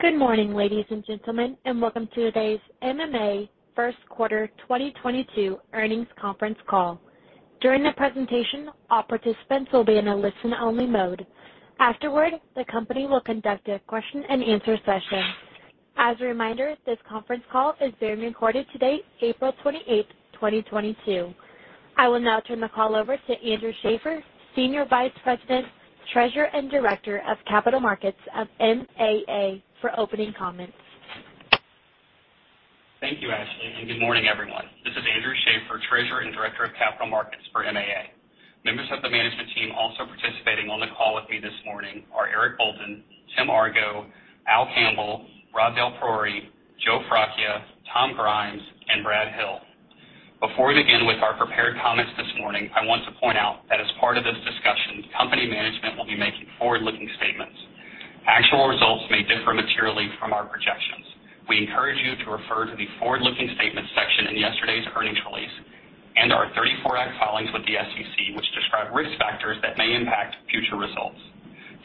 Good morning, ladies and gentlemen, and welcome to today's MAA first quarter 2022 earnings conference call. During the presentation, all participants will be in a listen-only mode. Afterward, the company will conduct a question-and-answer session. As a reminder, this conference call is being recorded today, April 28, 2022. I will now turn the call over to Andrew Schaeffer, Senior Vice President, Treasurer, and Director of Capital Markets of MAA for opening comments. Thank you, Ashley, and good morning, everyone. This is Andrew Schaeffer, Treasurer and Director of Capital Markets for MAA. Members of the management team also participating on the call with me this morning are Eric Bolton, Tim Argo, Al Campbell, Rob DelPriore, Joe Fracchia, Tom Grimes, and Brad Hill. Before we begin with our prepared comments this morning, I want to point out that as part of this discussion, company management will be making forward-looking statements. Actual results may differ materially from our projections. We encourage you to refer to the Forward-Looking Statements section in yesterday's earnings release and our 1934 Act filings with the SEC, which describe risk factors that may impact future results.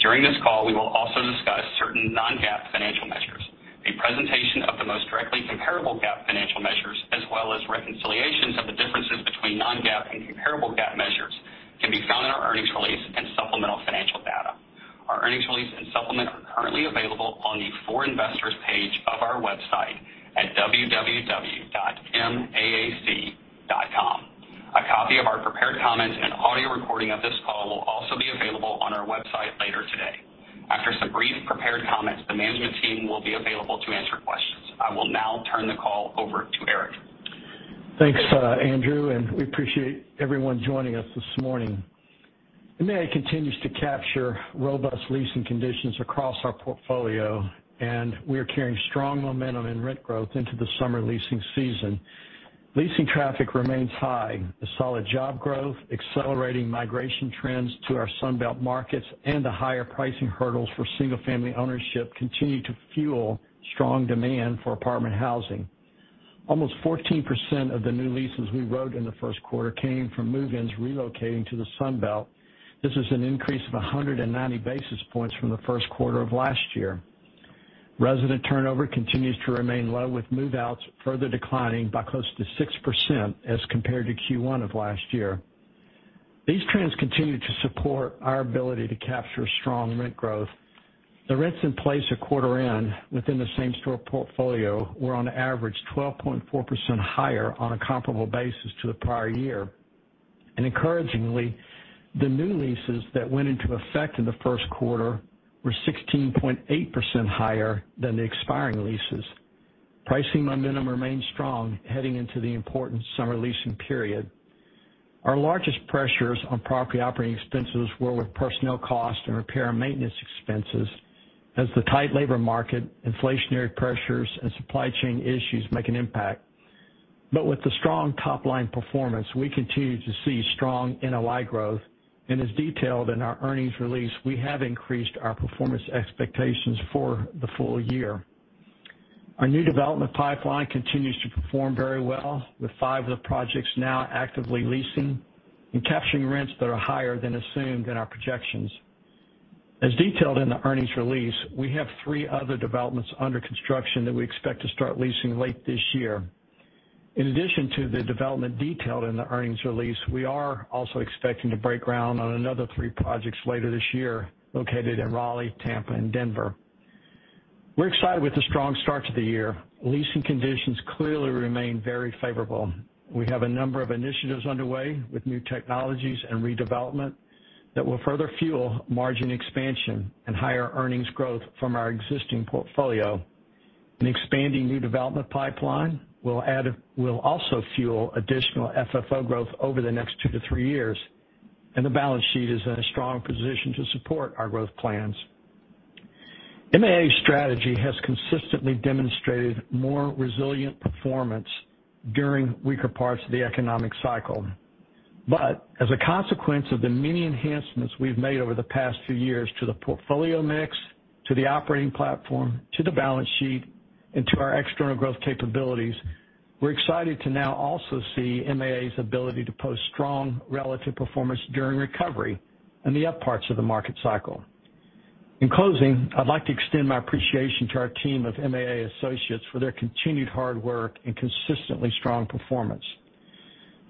During this call, we will also discuss certain non-GAAP financial measures. A presentation of the most directly comparable GAAP financial measures, as well as reconciliations of the differences between non-GAAP and comparable GAAP measures, can be found in our earnings release and supplemental financial data. Our earnings release and supplement are currently available on the For Investors page of our website at www.maac.com. A copy of our prepared comments and an audio recording of this call will also be available on our website later today. After some brief prepared comments, the management team will be available to answer questions. I will now turn the call over to Eric. Thanks, Andrew, and we appreciate everyone joining us this morning. MAA continues to capture robust leasing conditions across our portfolio, and we are carrying strong momentum and rent growth into the summer leasing season. Leasing traffic remains high. The solid job growth, accelerating migration trends to our Sun Belt markets, and the higher pricing hurdles for single-family ownership continue to fuel strong demand for apartment housing. Almost 14% of the new leases we wrote in the first quarter came from move-ins relocating to the Sun Belt. This is an increase of 190 basis points from the first quarter of last year. Resident turnover continues to remain low, with move-outs further declining by close to 6% as compared to Q1 of last year. These trends continue to support our ability to capture strong rent growth. The rents in place at quarter end within the same-store portfolio were on average 12.4% higher on a comparable basis to the prior year. Encouragingly, the new leases that went into effect in the first quarter were 16.8% higher than the expiring leases. Pricing momentum remains strong heading into the important summer leasing period. Our largest pressures on property operating expenses were with personnel cost and repair and maintenance expenses as the tight labor market, inflationary pressures, and supply chain issues make an impact. With the strong top-line performance, we continue to see strong NOI growth. As detailed in our earnings release, we have increased our performance expectations for the full-year. Our new development pipeline continues to perform very well, with five of the projects now actively leasing and capturing rents that are higher than assumed in our projections. As detailed in the earnings release, we have three other developments under construction that we expect to start leasing late this year. In addition to the development detailed in the earnings release, we are also expecting to break ground on another three projects later this year located in Raleigh, Tampa, and Denver. We're excited with the strong start to the year. Leasing conditions clearly remain very favorable. We have a number of initiatives underway with new technologies and redevelopment that will further fuel margin expansion and higher earnings growth from our existing portfolio. An expanding new development pipeline will also fuel additional FFO growth over the next two to three years, and the balance sheet is in a strong position to support our growth plans. MAA's strategy has consistently demonstrated more resilient performance during weaker parts of the economic cycle. As a consequence of the many enhancements we've made over the past few years to the portfolio mix, to the operating platform, to the balance sheet, and to our external growth capabilities, we're excited to now also see MAA's ability to post strong relative performance during recovery in the up parts of the market cycle. In closing, I'd like to extend my appreciation to our team of MAA associates for their continued hard work and consistently strong performance.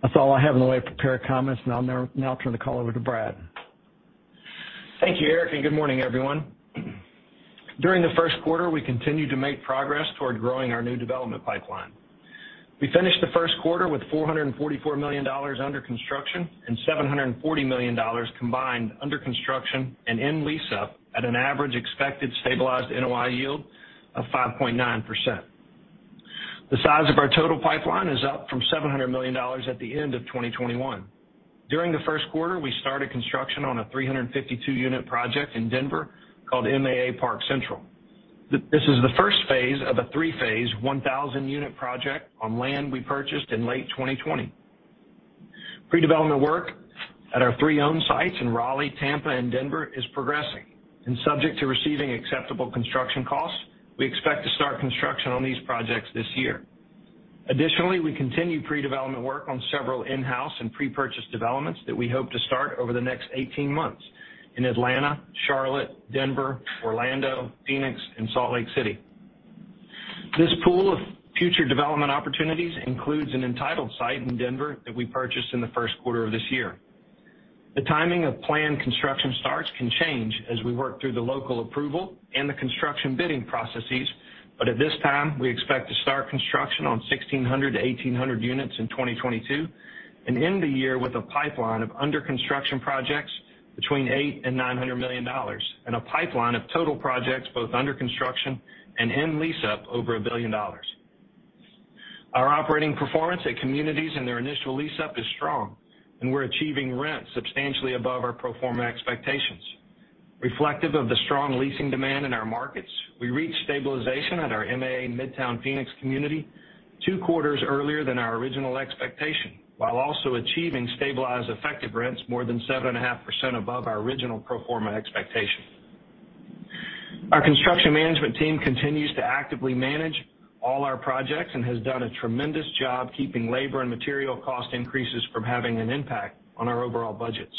That's all I have in the way of prepared comments, and I'll now turn the call over to Brad. Thank you, Eric, and good morning, everyone. During the first quarter, we continued to make progress toward growing our new development pipeline. We finished the first quarter with $444 million under construction and $740 million combined under construction and in lease-up at an average expected stabilized NOI yield of 5.9%. The size of our total pipeline is up from $700 million at the end of 2021. During the first quarter, we started construction on a 352-unit project in Denver called MAA Park Central. This is the first phase of a three-phase 1,000-unit project on land we purchased in late 2020. Pre-development work at our three owned sites in Raleigh, Tampa, and Denver is progressing. Subject to receiving acceptable construction costs, we expect to start construction on these projects this year. Additionally, we continue pre-development work on several in-house and pre-purchase developments that we hope to start over the next 18 months in Atlanta, Charlotte, Denver, Orlando, Phoenix, and Salt Lake City. This pool of future development opportunities includes an entitled site in Denver that we purchased in the first quarter of this year. The timing of planned construction starts can change as we work through the local approval and the construction bidding processes. At this time, we expect to start construction on 1,600 to 1,800 units in 2022, and end the year with a pipeline of under-construction projects between $800 million and $900 million, and a pipeline of total projects, both under construction and in lease-up over $1 billion. Our operating performance at communities in their initial lease-up is strong, and we're achieving rents substantially above our pro forma expectations. Reflective of the strong leasing demand in our markets, we reached stabilization at our MAA Midtown Phoenix community two quarters earlier than our original expectation, while also achieving stabilized effective rents more than 7.5% above our original pro forma expectation. Our construction management team continues to actively manage all our projects and has done a tremendous job keeping labor and material cost increases from having an impact on our overall budgets.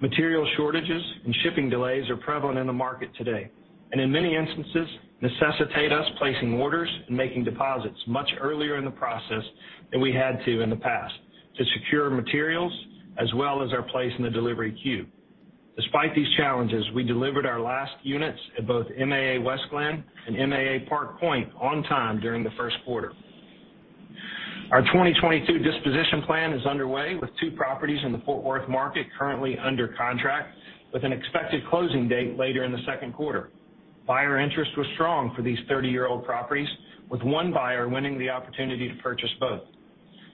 Material shortages and shipping delays are prevalent in the market today, and in many instances, necessitate us placing orders and making deposits much earlier in the process than we had to in the past to secure materials as well as our place in the delivery queue. Despite these challenges, we delivered our last units at both MAA Westglenn and MAA Park Point on time during the first quarter. Our 2022 disposition plan is underway, with two properties in the Fort Worth market currently under contract, with an expected closing date later in the second quarter. Buyer interest was strong for these 30-year-old properties, with one buyer winning the opportunity to purchase both.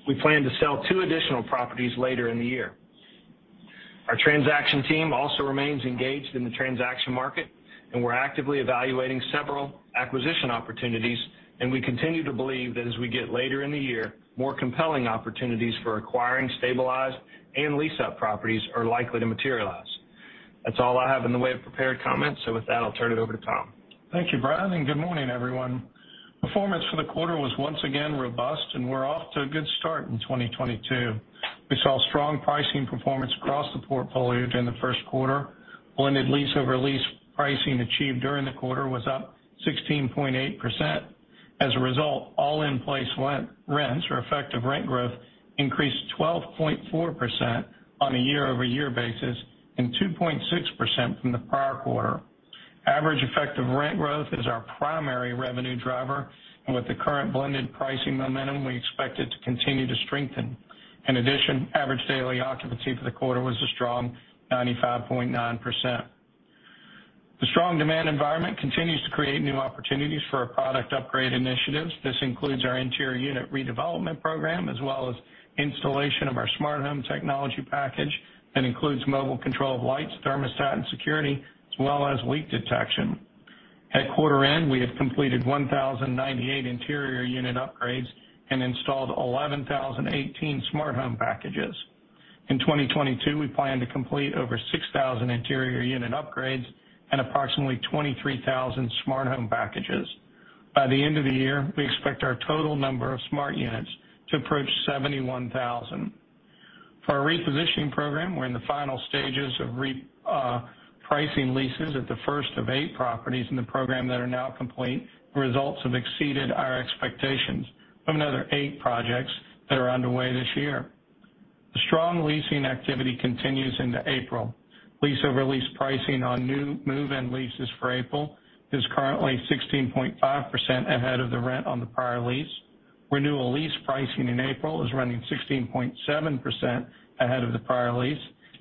We plan to sell two additional properties later in the year. Our transaction team also remains engaged in the transaction market, and we're actively evaluating several acquisition opportunities, and we continue to believe that as we get later in the year, more compelling opportunities for acquiring stabilized and leased-up properties are likely to materialize. That's all I have in the way of prepared comments. With that, I'll turn it over to Tom. Thank you, Brian, and good morning, everyone. Performance for the quarter was once again robust, and we're off to a good start in 2022. We saw strong pricing performance across the portfolio during the first quarter. Blended lease over lease pricing achieved during the quarter was up 16.8%. As a result, all in-place rents or effective rent growth increased 12.4% on a year-over-year basis and 2.6% from the prior quarter. Average effective rent growth is our primary revenue driver, and with the current blended pricing momentum, we expect it to continue to strengthen. In addition, average daily occupancy for the quarter was a strong 95.9%. The strong demand environment continues to create new opportunities for our product upgrade initiatives. This includes our interior unit redevelopment program, as well as installation of our smart home technology package that includes mobile control of lights, thermostat, and security, as well as leak detection. At quarter end, we have completed 1,098 interior unit upgrades and installed 11,018 smart home packages. In 2022, we plan to complete over 6,000 interior unit upgrades and approximately 23,000 smart home packages. By the end of the year, we expect our total number of smart units to approach 71,000. For our repositioning program, we're in the final stages of pricing leases at the first of eight properties in the program that are now complete. The results have exceeded our expectations of another eight projects that are underway this year. The strong leasing activity continues into April. Lease over lease pricing on new move-in leases for April is currently 16.5% ahead of the rent on the prior lease. Renewal lease pricing in April is running 16.7% ahead of the prior lease.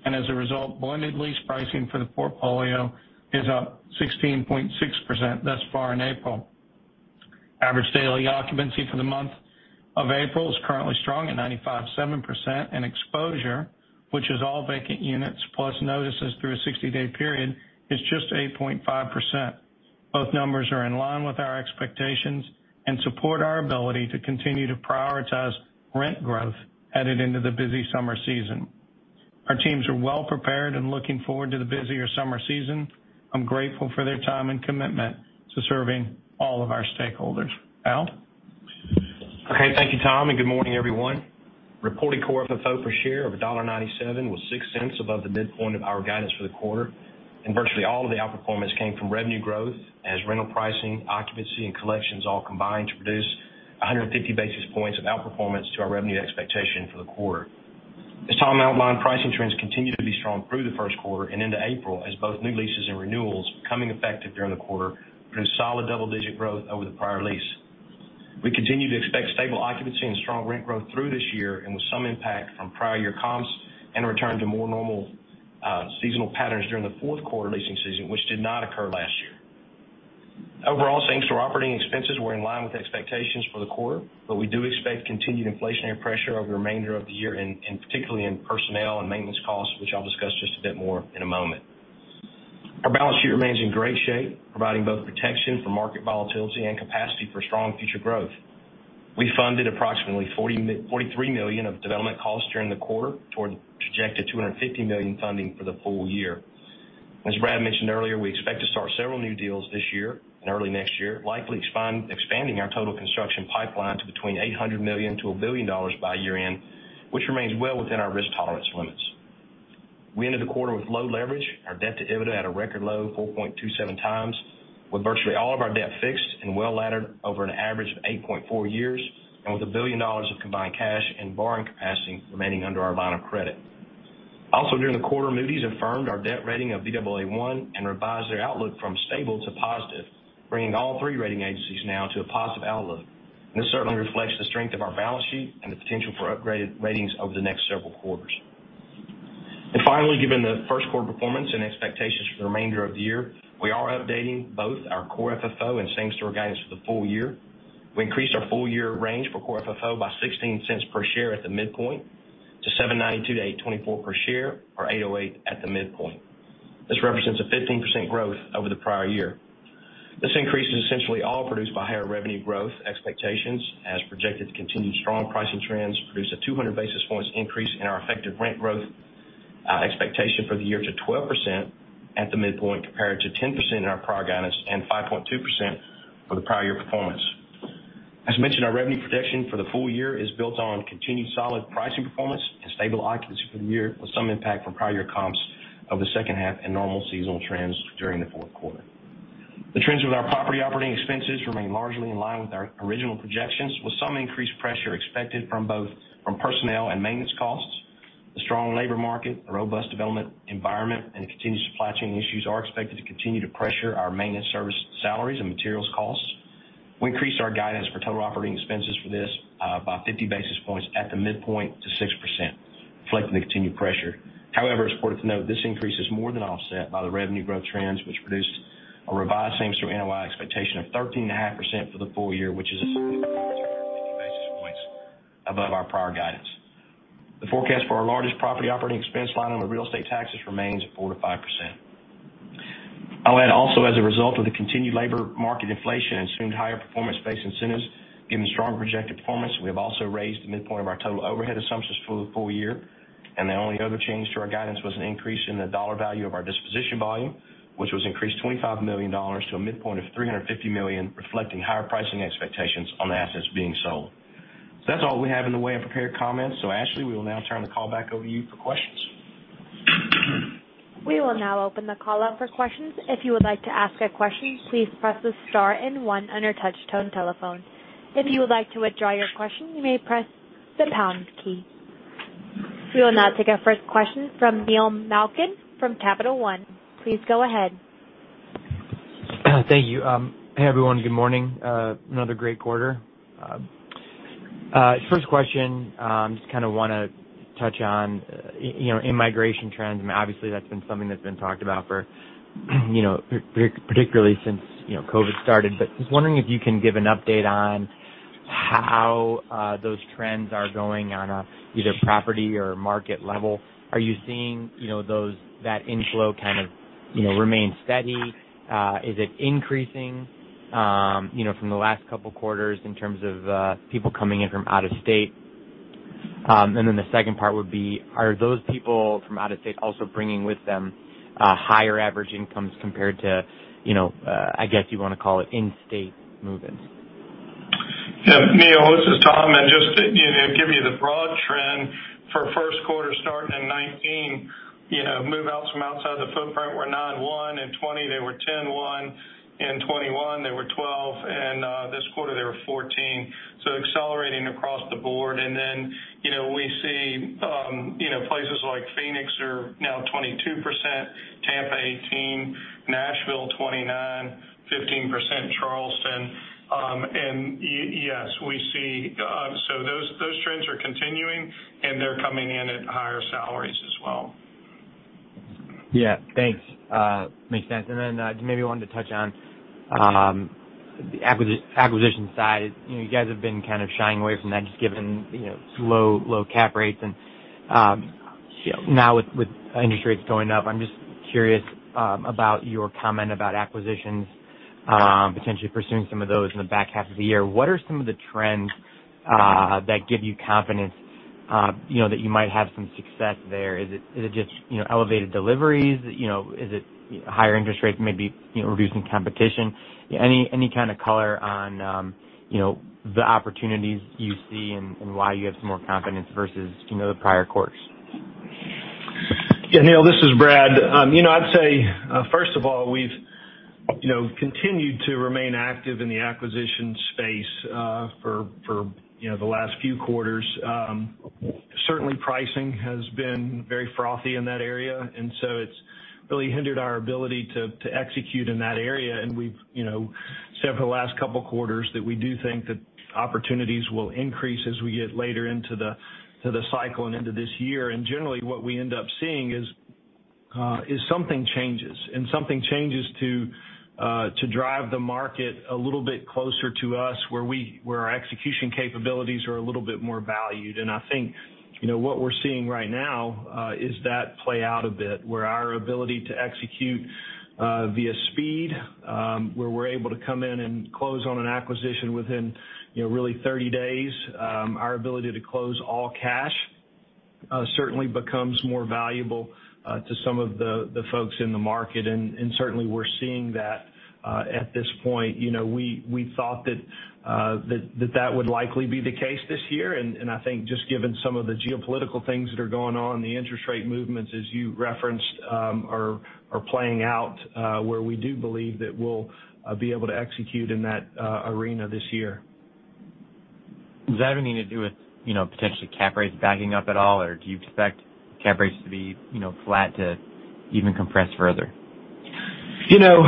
As a result, blended lease pricing for the portfolio is up 16.6% thus far in April. Average daily occupancy for the month of April is currently strong at 95.7%, and exposure, which is all vacant units plus notices through a 60-day period, is just 8.5%. Both numbers are in line with our expectations and support our ability to continue to prioritize rent growth headed into the busy summer season. Our teams are well prepared and looking forward to the busier summer season. I'm grateful for their time and commitment to serving all of our stakeholders. Al? Okay. Thank you, Tom, and good morning, everyone. Reported core FFO per share of $0.97 was $0.06 above the midpoint of our guidance for the quarter, and virtually all of the outperformance came from revenue growth as rental pricing, occupancy, and collections all combined to produce 150 basis points of outperformance to our revenue expectation for the quarter. As Tom outlined, pricing trends continued to be strong through the first quarter and into April as both new leases and renewals becoming effective during the quarter produced solid double-digit growth over the prior lease. We continue to expect stable occupancy and strong rent growth through this year, and with some impact from prior year comps and a return to more normal seasonal patterns during the fourth quarter leasing season, which did not occur last year. Overall, thanks to our operating expenses, we're in line with expectations for the quarter, but we do expect continued inflationary pressure over the remainder of the year, and particularly in personnel and maintenance costs, which I'll discuss just a bit more in a moment. Our balance sheet remains in great shape, providing both protection from market volatility and capacity for strong future growth. We funded approximately $43 million of development costs during the quarter toward the projected $250 million funding for the full-year. As Brad mentioned earlier, we expect to start several new deals this year and early next year, likely expanding our total construction pipeline to between $800 million-$1 billion by year-end, which remains well within our risk tolerance limits. We ended the quarter with low leverage. Our debt to EBITDA at a record low, 4.27x, with virtually all of our debt fixed and well-laddered over an average of 8.4 years, and with $1 billion of combined cash and borrowing capacity remaining under our line of credit. Also, during the quarter, Moody's affirmed our debt rating of Baa1 and revised their outlook from stable to positive, bringing all three rating agencies now to a positive outlook. This certainly reflects the strength of our balance sheet and the potential for upgraded ratings over the next several quarters. Finally, given the first quarter performance and expectations for the remainder of the year, we are updating both our core FFO and same-store guidance for the full-year. We increased our full-year range for core FFO by $0.16 per share at the midpoint to $7.92-$8.24 per share or $8.08 at the midpoint. This represents a 15% growth over the prior year. This increase is essentially all produced by higher revenue growth expectations as projected to continue strong pricing trends produce a 200 basis points increase in our effective rent growth expectation for the year to 12% at the midpoint, compared to 10% in our prior guidance and 5.2% for the prior year performance. As mentioned, our revenue projection for the full-year is built on continued solid pricing performance and stable occupancy for the year, with some impact from prior year comps of the second half and normal seasonal trends during the fourth quarter. The trends with our property operating expenses remain largely in line with our original projections, with some increased pressure expected from both personnel and maintenance costs. The strong labor market, the robust development environment, and continued supply chain issues are expected to continue to pressure our maintenance service salaries and materials costs. We increased our guidance for total operating expenses for this by 50 basis points at the midpoint to 6%, reflecting the continued pressure. However, it's important to note this increase is more than offset by the revenue growth trends, which produced a revised same-store NOI expectation of 13.5% for the full-year, which is basis points above our prior guidance. The forecast for our largest property operating expense line on the real estate taxes remains at 4%-5%. I'll add also, as a result of the continued labor market inflation and assumed higher performance-based incentives, given the strong projected performance, we have also raised the midpoint of our total overhead assumptions for the full-year, and the only other change to our guidance was an increase in the dollar value of our disposition volume, which was increased $25 million to a midpoint of $350 million, reflecting higher pricing expectations on the assets being sold. That's all we have in the way of prepared comments. Ashley, we will now turn the call back over to you for questions. We will now open the call up for questions. If you would like to ask a question, please press the star and one on your touch-tone telephone. If you would like to withdraw your question, you may press the pound key. We will now take our first question from Neil Malkin from Capital One. Please go ahead. Thank you. Hey, everyone. Good morning. Another great quarter. First question, just kinda wanna touch on, you know, immigration trends. I mean, obviously that's been something that's been talked about for, you know, particularly since, you know, COVID started. Just wondering if you can give an update on how those trends are going on a, either property or market level. Are you seeing, you know, that inflow kind of, you know, remain steady? Is it increasing, you know, from the last couple quarters in terms of, people coming in from out of state? And then the second part would be, are those people from out of state also bringing with them, higher average incomes compared to, you know, I guess you wanna call it in-state move-ins? Yeah, Neil, this is Tom. Just to, you know, give you the broad trend for first quarter starting in 2019, you know, move outs from outside the footprint were 9.1, in 2020 they were 10.1, in 2021 they were 12, and this quarter they were 14. Accelerating across the board. You know, we see places like Phoenix are now 22%, Tampa 18%, Nashville 29%, 15% Charleston. Yes, we see. Those trends are continuing, and they're coming in at higher salaries as well. Yeah. Thanks. Makes sense. Then, maybe wanted to touch on the acquisition side. You know, you guys have been kind of shying away from that just given, you know, low cap rates. Now with interest rates going up, I'm just curious about your comment about acquisitions potentially pursuing some of those in the back half of the year. What are some of the trends that give you confidence, you know, that you might have some success there? Is it just, you know, elevated deliveries? You know, is it higher interest rates maybe, you know, reducing competition? Any kind of color on, you know, the opportunities you see and why you have some more confidence versus, you know, the prior course? Yeah, Neil, this is Brad. You know, I'd say, first of all, we've, you know, continued to remain active in the acquisition space for the last few quarters. Certainly pricing has been very frothy in that area, and so it's really hindered our ability to execute in that area. We've, you know, said for the last couple quarters that we do think that opportunities will increase as we get later into the cycle and into this year. Generally, what we end up seeing is something changes to drive the market a little bit closer to us where our execution capabilities are a little bit more valued. I think, you know, what we're seeing right now is that play out a bit, where our ability to execute With speed, where we're able to come in and close on an acquisition within, you know, really 30 days. Our ability to close all-cash certainly becomes more valuable to some of the folks in the market, and certainly we're seeing that at this point. You know, we thought that that would likely be the case this year. I think just given some of the geopolitical things that are going on, the interest rate movements as you referenced are playing out, where we do believe that we'll be able to execute in that arena this year. Does that have anything to do with, you know, potentially cap rates backing up at all? Or do you expect cap rates to be, you know, flat to even compress further? You know,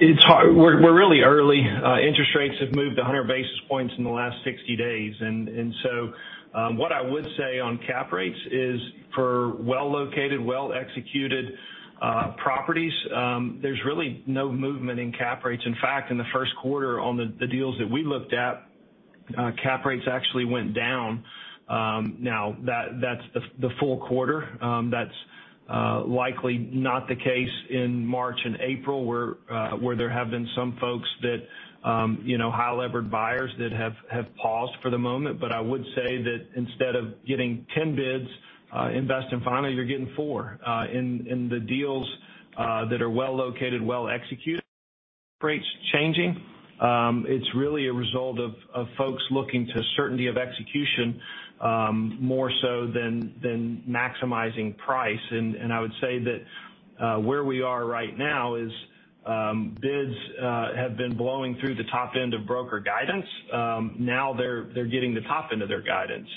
it's hard. We're really early. Interest rates have moved 100 basis points in the last 60 days. What I would say on cap rates is for well located, well executed properties, there's really no movement in cap rates. In fact, in the first quarter on the deals that we looked at, cap rates actually went down. Now that's the full quarter. That's likely not the case in March and April, where there have been some folks that, you know, highly leveraged buyers that have paused for the moment. I would say that instead of getting 10 bids in best and final, you're getting four. In the deals that are well located, well executed rates changing, it's really a result of folks looking to certainty of execution, more so than maximizing price. I would say that where we are right now is bids have been blowing through the top end of broker guidance. Now they're getting the top end of their guidance.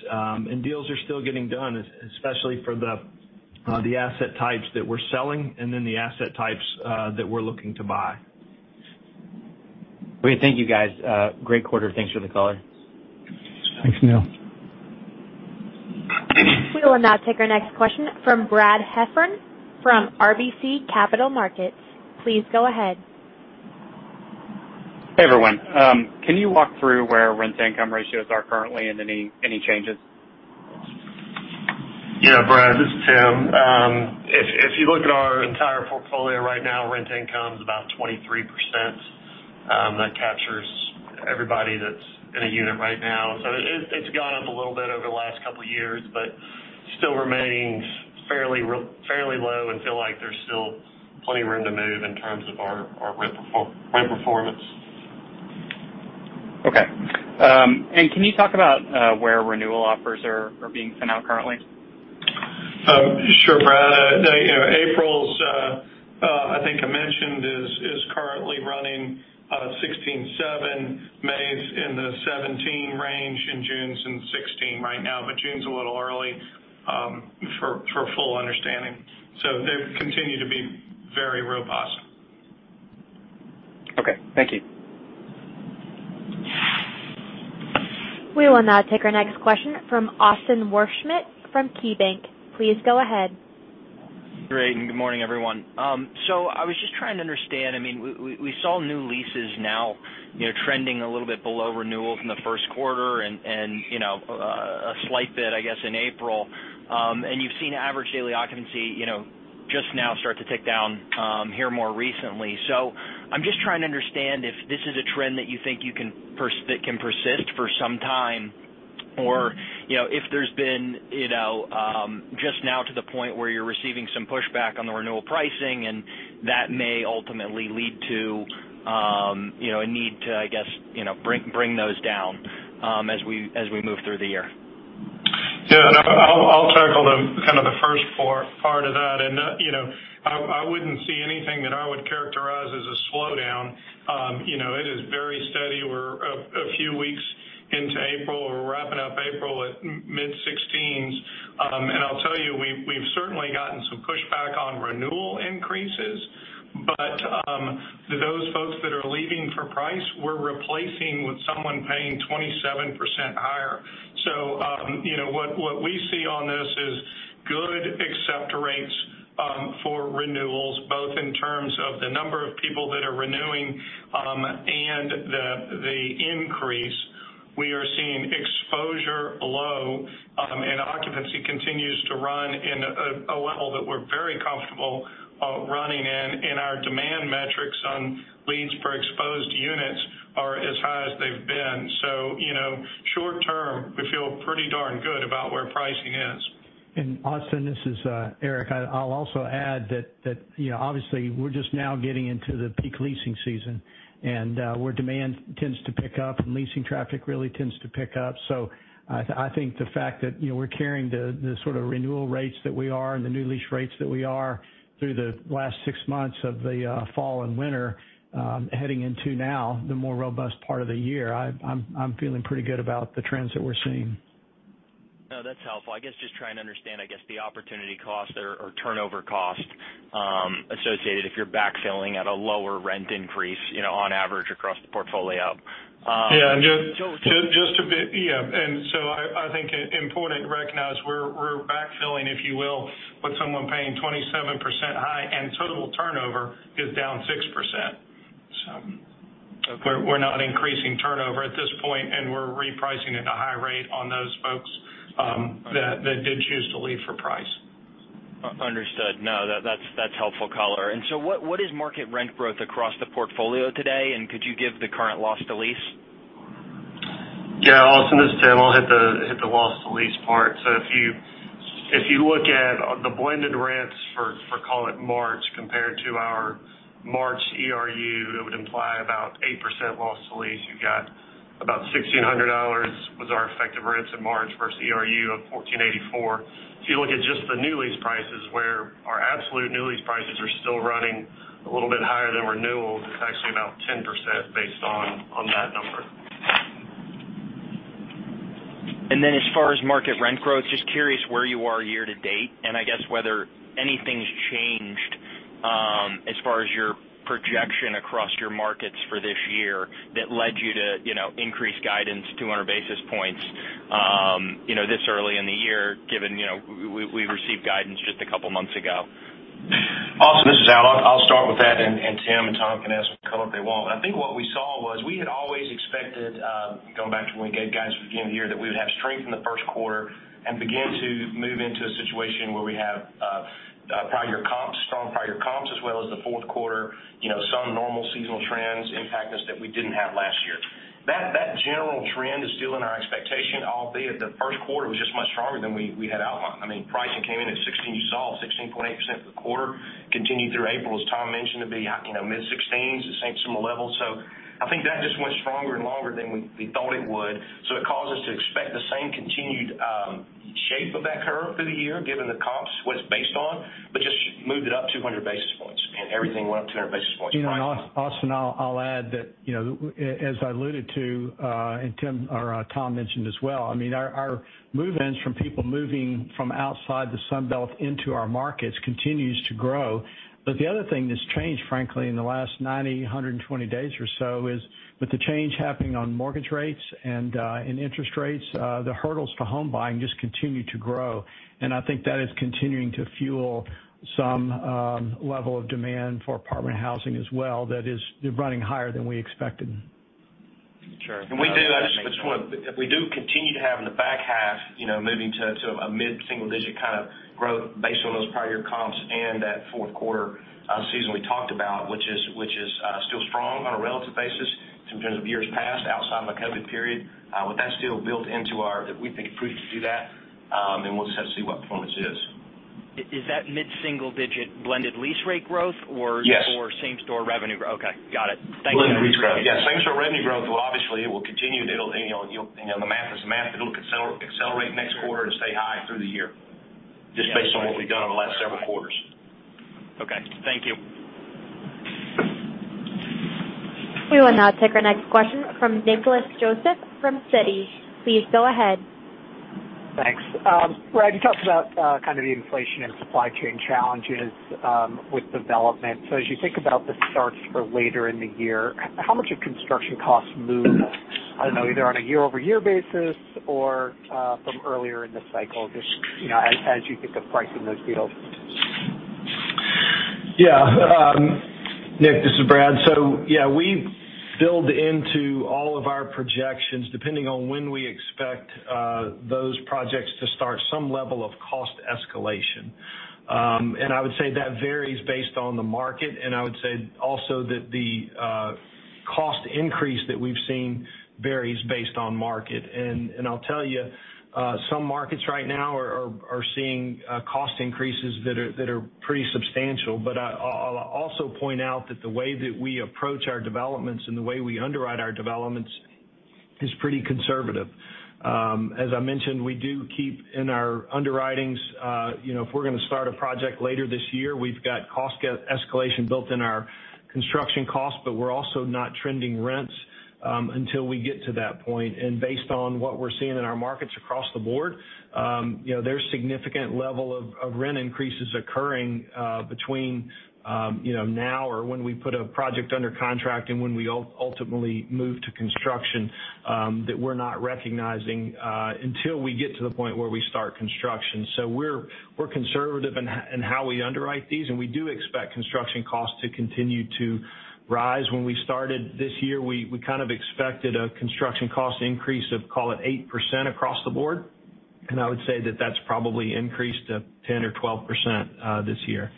Deals are still getting done, especially for the asset types that we're selling, and then the asset types that we're looking to buy. Great. Thank you guys. Great quarter. Thanks for the color. Thanks, Neil. We will now take our next question from Brad Heffern from RBC Capital Markets. Please go ahead. Hey, everyone. Can you walk through where rent-to-income ratios are currently and any changes? Yeah, Brad, this is Tim. If you look at our entire portfolio right now, rent income's about 23%, that captures everybody that's in a unit right now. It's gone up a little bit over the last couple of years, but still remains fairly low and feel like there's still plenty of room to move in terms of our rent performance. Can you talk about where renewal offers are being sent out currently? Sure, Brad. You know, April's, I think I mentioned, is currently running 16.7%. May is in the 17% range, and June's in 16% right now, but June's a little early for full understanding. They continue to be very robust. Okay. Thank you. We will now take our next question from Austin Wurschmidt from KeyBanc Capital Markets. Please go ahead. Great, good morning, everyone. I was just trying to understand, I mean, we saw new leases now, you know, trending a little bit below renewals in the first quarter and, you know, a slight bit, I guess, in April. And you've seen average daily occupancy, you know, just now start to tick down, here more recently. I'm just trying to understand if this is a trend that you think that can persist for some time, or, you know, if there's been, you know, just now to the point where you're receiving some pushback on the renewal pricing, and that may ultimately lead to, you know, a need to, I guess, you know, bring those down, as we move through the year. Yeah. I'll tackle the kind of the first part of that. You know, I wouldn't see anything that I would characterize as a slowdown. You know, it is very steady. We're a few weeks into April. We're wrapping up April at mid-16s. I'll tell you, we've certainly gotten some pushback on renewal increases. Those folks that are leaving for price, we're replacing with someone paying 27% higher. You know, what we see on this is good accept rates for renewals, both in terms of the number of people that are renewing and the increase. We are seeing low exposure and occupancy continues to run in a level that we're very comfortable running in. Our demand metrics on leads per exposed units are as high as they've been. You know, short term, we feel pretty darn good about where pricing is. Austin, this is, Eric. I'll also add that, you know, obviously we're just now getting into the peak leasing season, and where demand tends to pick up and leasing traffic really tends to pick up. I think the fact that, you know, we're carrying the sort of renewal rates that we are and the new lease rates that we are through the last six months of the fall and winter, heading into now the more robust part of the year, I'm feeling pretty good about the trends that we're seeing. No, that's helpful. I guess just trying to understand the opportunity cost or turnover cost associated if you're backfilling at a lower rent increase, you know, on average across the portfolio. Just to be clear, I think important to recognize we're backfilling, if you will, with someone paying 27% higher, and total turnover is down 6%. We're not increasing turnover at this point, and we're repricing at a high rate on those folks that did choose to leave for price. Understood. No, that's helpful color. What is market rent growth across the portfolio today? Could you give the current loss to lease? Yeah. Austin, this is Tom. I'll hit the loss to lease part. If you look at the blended rents for call it March, compared to our March ERU, it would imply about 8% loss to lease. You got about $1,600 was our effective rents in March versus ERU of $1,484. If you look at just the new lease prices where our absolute new lease prices are still running a little bit higher than renewals, it's actually about 10% based on that number. As far as market rent growth, just curious where you are year to date, and I guess whether anything's changed, as far as your projection across your markets for this year that led you to, you know, increase guidance 200 basis points, you know, this early in the year, given, you know, we received guidance just a couple months ago. Austin, this is Al. I'll start with that, and Tim and Tom can add some color if they want. I think what we saw was we had always expected, going back to when we gave guidance at the beginning of the year, that we would have strength in the first quarter and begin to move into a situation where we have prior year comps, strong prior year comps, as well as the fourth quarter. You know, some normal seasonal trends impact us that we didn't have last year. That general trend is still in our expectation, albeit the first quarter was just much stronger than we had outlined. I mean, pricing came in at 16, you saw 16.8% for the quarter, continued through April, as Tom mentioned, to be, you know, mid-16s, the same similar level. I think that just went stronger and longer than we thought it would. It caused us to expect the same continued shape of that curve through the year, given the comps was based on, but just moved it up 200 basis points, and everything went up 200 basis points. You know, Austin, I'll add that, you know, as I alluded to, and Tim or Tom mentioned as well, I mean, our move-ins from people moving from outside the Sun Belt into our markets continues to grow. The other thing that's changed, frankly, in the last 90, 120 days or so is with the change happening on mortgage rates and in interest rates, the hurdles for home buying just continue to grow. I think that is continuing to fuel some level of demand for apartment housing as well that is running higher than we expected. Sure. We do continue to have in the back half, you know, moving to a mid-single digit kind of growth based on those prior year comps and that fourth quarter seasonality we talked about, which is still strong on a relative basis in terms of years past outside of the COVID period. With that still built into our, we think it proves to do that, and we'll just have to see what performance is. Is that mid-single digit blended lease rate growth or- Yes. Or same-store revenue? Okay. Got it. Thank you. Blended lease rate. Yeah, same-store revenue growth will obviously continue. It'll, you know, the math is math. It'll accelerate next quarter and stay high through the year, just based on what we've done over the last several quarters. Okay. Thank you. We will now take our next question from Nicholas Joseph from Citi. Please go ahead. Thanks. Brad, you talked about kind of the inflation and supply chain challenges with development. As you think about the starts for later in the year, how much have construction costs moved, I don't know, either on a year-over-year basis or from earlier in the cycle, just, you know, as you think of pricing those deals? Yeah. Nick, this is Brad. Yeah, we've built into all of our projections, depending on when we expect those projects to start some level of cost escalation. I would say that varies based on the market. I would say also that the cost increase that we've seen varies based on market. I'll tell you, some markets right now are seeing cost increases that are pretty substantial. I'll also point out that the way that we approach our developments and the way we underwrite our developments is pretty conservative. As I mentioned, we do keep in our underwritings, you know, if we're gonna start a project later this year, we've got cost escalation built in our construction costs, but we're also not trending rents, until we get to that point. Based on what we're seeing in our markets across the board, you know, there's significant level of rent increases occurring, between, you know, now or when we put a project under contract and when we ultimately move to construction, that we're not recognizing, until we get to the point where we start construction. We're conservative in how we underwrite these, and we do expect construction costs to continue to rise. When we started this year, we kind of expected a construction cost increase of, call it, 8% across the board. I would say that that's probably increased to 10% or 12% this year.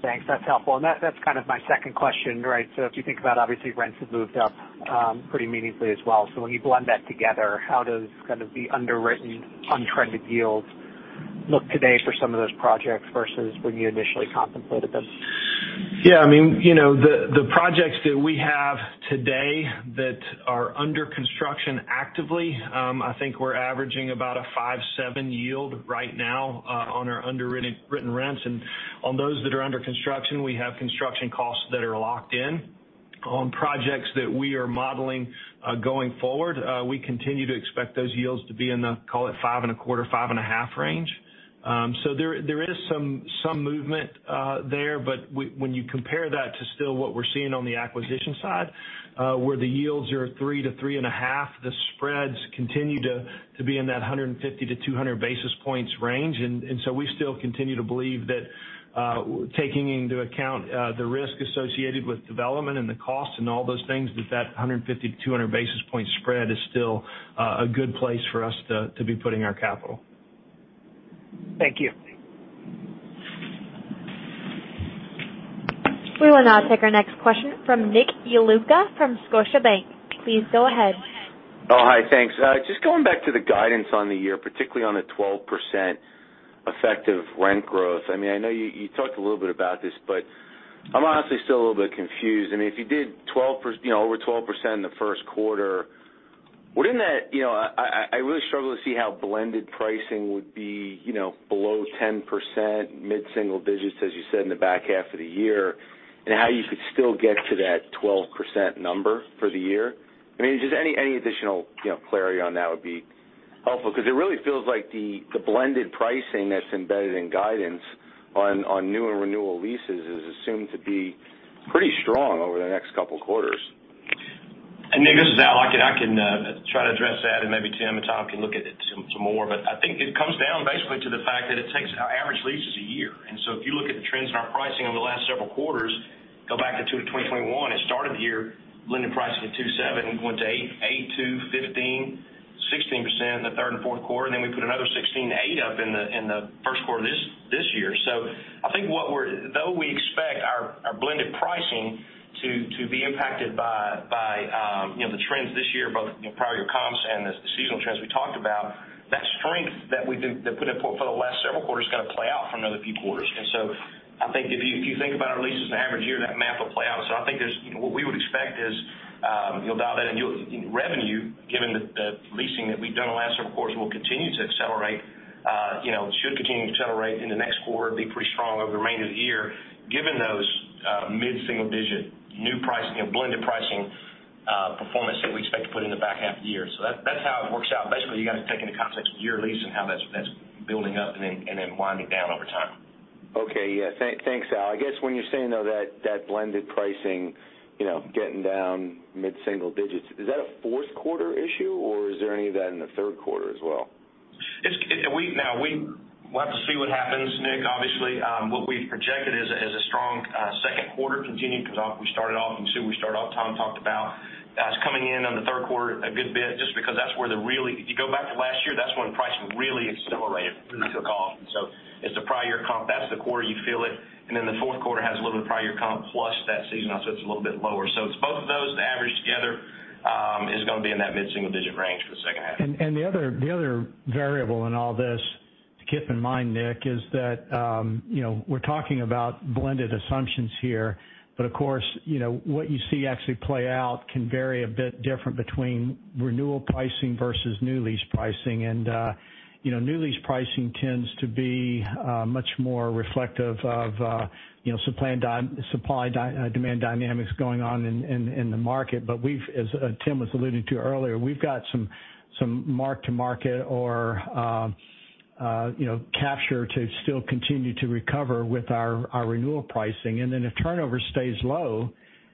Thanks. That's helpful. That's kind of my second question, right? If you think about obviously rents have moved up, pretty meaningfully as well. When you blend that together, how does kind of the underwritten untrended yields look today for some of those projects versus when you initially contemplated them? Yeah, I mean, you know, the projects that we have today that are under construction actively, I think we're averaging about a 5.7% yield right now on our underwritten rents. On those that are under construction, we have construction costs that are locked in. On projects that we are modeling going forward, we continue to expect those yields to be in the call it 5.25%-5.5% range. There is some movement there, but when you compare that to still what we're seeing on the acquisition side where the yields are three to 3.5, the spreads continue to be in that 150-200 basis points range. We still continue to believe that, taking into account the risk associated with development and the cost and all those things, that 150-200 basis point spread is still a good place for us to be putting our capital. Thank you. We will now take our next question from Nick Yulico from Scotiabank. Please go ahead. Oh, hi. Thanks. Just going back to the guidance on the year, particularly on the 12% effective rent growth. I mean, I know you talked a little bit about this, but I'm honestly still a little bit confused. I mean, if you did over 12% in the first quarter, wouldn't that, you know, I really struggle to see how blended pricing would be, you know, below 10%, mid-single digits, as you said in the back half of the year, and how you could still get to that 12% number for the year. I mean, just any additional, you know, clarity on that would be helpful, 'cause it really feels like the blended pricing that's embedded in guidance on new and renewal leases is assumed to be pretty strong over the next couple quarters. Nick, this is Al. I can try to address that, and maybe Tim and Tom can look at it some more. I think it comes down basically to the fact that it takes our average lease is a year. If you look at the trends in our pricing over the last several quarters, go back to Q2 2021, it started the year blended pricing at 2.7%, went to 8.2%, 15%-16% in the third and fourth quarter, and then we put another 16.8% up in the first quarter of this year. I think what we're though we expect our blended pricing to be impacted by you know the trends this year, both you know prior year comps and the seasonal trends we talked about. That strength that we've been putting up for the last several quarters is gonna play out for another few quarters. I think if you think about our leases in the average year, that math will play out. I think what we would expect is the annual revenue, given the leasing that we've done the last several quarters, will continue to accelerate should continue to accelerate in the next quarter, be pretty strong over the remainder of the year, given those mid-single digit new pricing and blended pricing performance that we expect to put in the back half of the year. That's how it works out. Basically, you gotta take into context year lease and how that's building up and then winding down over time. Okay. Yeah. Thanks, Al. I guess when you're saying, though, that blended pricing, you know, getting down mid-single digits, is that a fourth quarter issue, or is there any of that in the third quarter as well? Now we'll have to see what happens, Nick. Obviously, what we've projected is a strong second quarter continuing because we started off, you can see where we started off, Tom talked about. That's coming in on the third quarter a good bit just because that's where. If you go back to last year, that's when pricing really accelerated, really took off. It's the prior year comp. That's the quarter you feel it. Then the fourth quarter has a little bit of prior year comp plus that season, so it's a little bit lower. It's both of those averaged together is gonna be in that mid-single digit range for the second half. The other variable in all this to keep in mind, Nick, is that, you know, we're talking about blended assumptions here, but of course, you know, what you see actually play out can vary a bit different between renewal pricing versus new lease pricing. You know, new lease pricing tends to be much more reflective of, you know, supply and demand dynamics going on in the market. But we've, as Tim was alluding to earlier, we've got some mark-to-market or, you know, capture to still continue to recover with our renewal pricing. If turnover stays low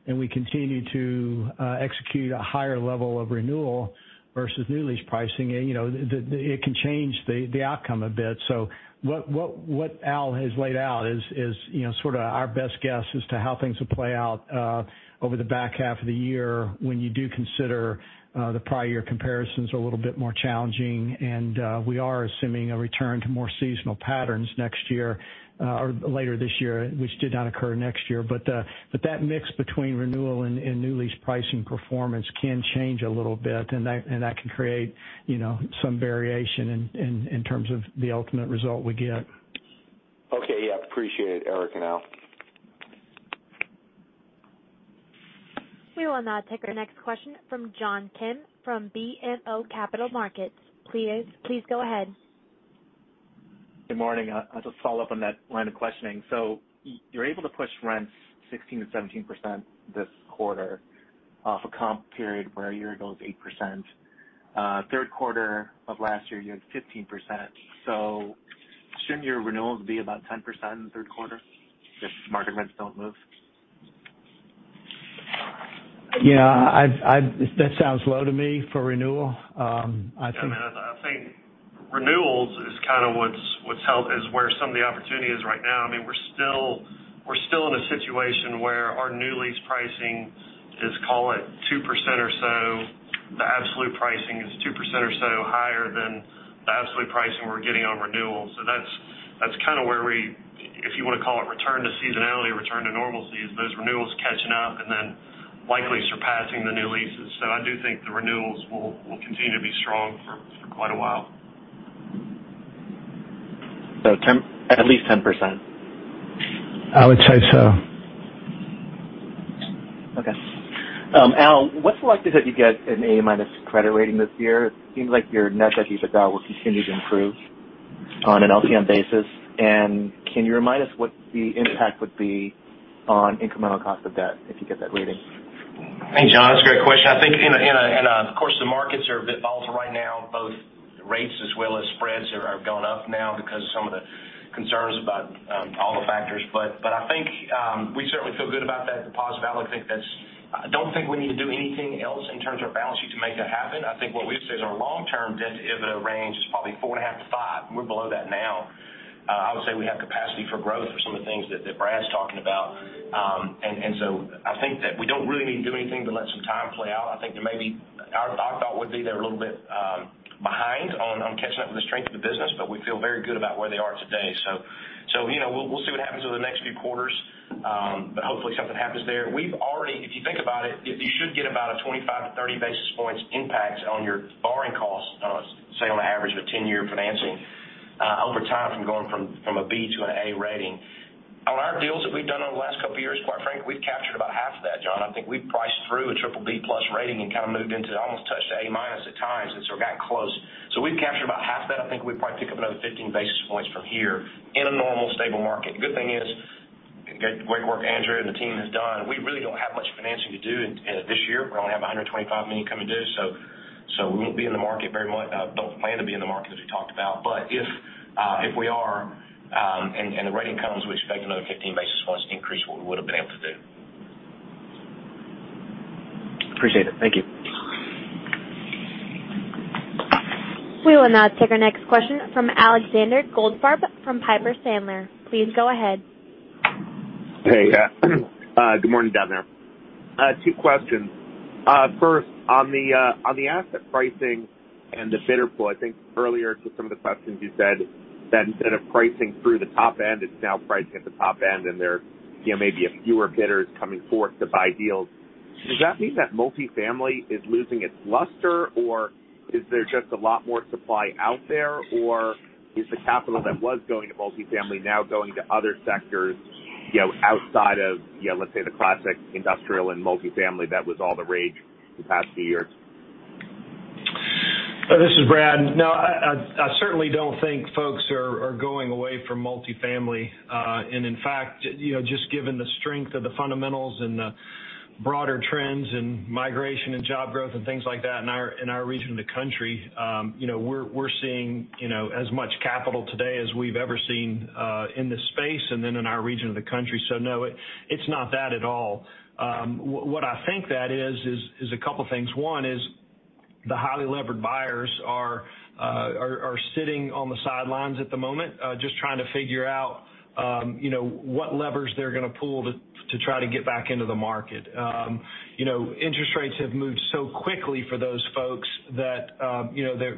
and we continue to execute a higher level of renewal versus new lease pricing, you know, it can change the outcome a bit. What Al has laid out is, you know, sorta our best guess as to how things will play out over the back half of the year when you do consider the prior year comparisons are a little bit more challenging, and we are assuming a return to more seasonal patterns next year or later this year, which did not occur next year. But that mix between renewal and new lease pricing performance can change a little bit, and that can create, you know, some variation in terms of the ultimate result we get. Okay. Yeah. Appreciate it, Eric and Al. We will now take our next question from John Kim from BMO Capital Markets. Please, please go ahead. Good morning. Just to follow up on that line of questioning. You're able to push rents 16%-17% this quarter off a comp period where a year ago it was 8%. Third quarter of last year, you had 15%. Shouldn't your renewals be about 10% in the third quarter if market rents don't move? Yeah, that sounds low to me for renewal. I think- Yeah, I mean, I think renewals is kind of what's helped, is where some of the opportunity is right now. I mean, we're still in a situation where our new lease pricing is, call it, 2% or so. The absolute pricing is 2% or so higher than the absolute pricing we're getting on renewals. That's kind of where we, if you wanna call it return to seasonality or return to normalcy, is those renewals catching up and then likely surpassing the new leases. I do think the renewals will continue to be strong for quite a while. At least 10%? I would say so. Okay, Al, what's the likelihood you get an A- credit rating this year? It seems like your net debt to EBITDA will continue to improve on an LTM basis. Can you remind us what the impact would be on incremental cost of debt if you get that rating? Hey, John, that's a great question. I think interest rates as well as spreads have gone up now because of some of the concerns about all the factors. I think we certainly feel good about that deposit outlook. I think that's. I don't think we need to do anything else in terms of our balance sheet to make that happen. I think what we've said is our long-term debt to EBITDA range is probably 4.5x-5x, and we're below that now. I would say we have capacity for growth for some of the things that Brad's talking about. I think that we don't really need to do anything to let some time play out. I think that maybe our thought would be they're a little bit behind on catching up with the strength of the business, but we feel very good about where they are today. You know, we'll see what happens over the next few quarters, but hopefully something happens there. If you think about it, you should get about a 25-30 basis points impact on your borrowing costs, say on an average of a 10-year financing, over time from going from a B to an A rating. On our deals that we've done over the last couple of years, quite frankly, we've captured about half of that, John. I think we've priced through a BBB+ rating and kind of moved into almost touched A- at times, and so we got close. We've captured about half that. I think we probably pick up another 15 basis points from here in a normal, stable market. The good thing is great work Andrew and the team has done. We really don't have much financing to do in this year. We only have $125 million coming due, so we won't be in the market very much. Don't plan to be in the market, as we talked about. If we are and the rating comes, we expect another 15 basis points increase what we would've been able to do. Appreciate it. Thank you. We will now take our next question from Alexander Goldfarb from Piper Sandler. Please go ahead. Hey. Good morning, gentlemen. Two questions. First, on the asset pricing and the bidder pool, I think earlier to some of the questions you said that instead of pricing through the top end, it's now pricing at the top end, and there, you know, may be a fewer bidders coming forth to buy deals. Does that mean that multifamily is losing its luster, or is there just a lot more supply out there? Or is the capital that was going to multifamily now going to other sectors, you know, outside of, you know, let's say the classic industrial and multifamily that was all the rage the past few years? This is Brad. No, I certainly don't think folks are going away from multifamily. In fact, you know, just given the strength of the fundamentals and the broader trends in migration and job growth and things like that in our region of the country, you know, we're seeing, you know, as much capital today as we've ever seen in this space and then in our region of the country. No, it's not that at all. What I think that is a couple things. One is the highly levered buyers are sitting on the sidelines at the moment, just trying to figure out, you know, what levers they're gonna pull to try to get back into the market. You know, interest rates have moved so quickly for those folks that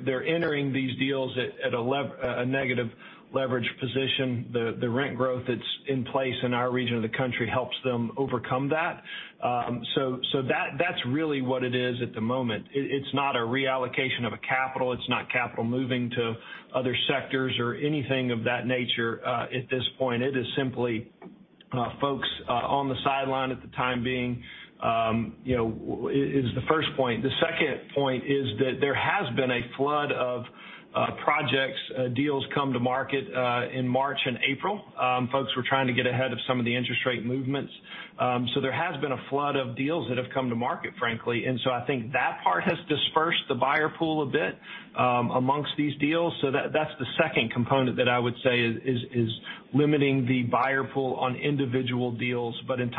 they're entering these deals at a negative leverage position. The rent growth that's in place in our region of the country helps them overcome that. That's really what it is at the moment. It's not a reallocation of a capital. It's not capital moving to other sectors or anything of that nature at this point. It is simply folks on the sideline at the time being is the first point. The second point is that there has been a flood of projects, deals come to market in March and April. Folks were trying to get ahead of some of the interest rate movements. There has been a flood of deals that have come to market, frankly. I think that part has dispersed the buyer pool a bit, among these deals. That's the second component that I would say is limiting the buyer pool on individual deals. In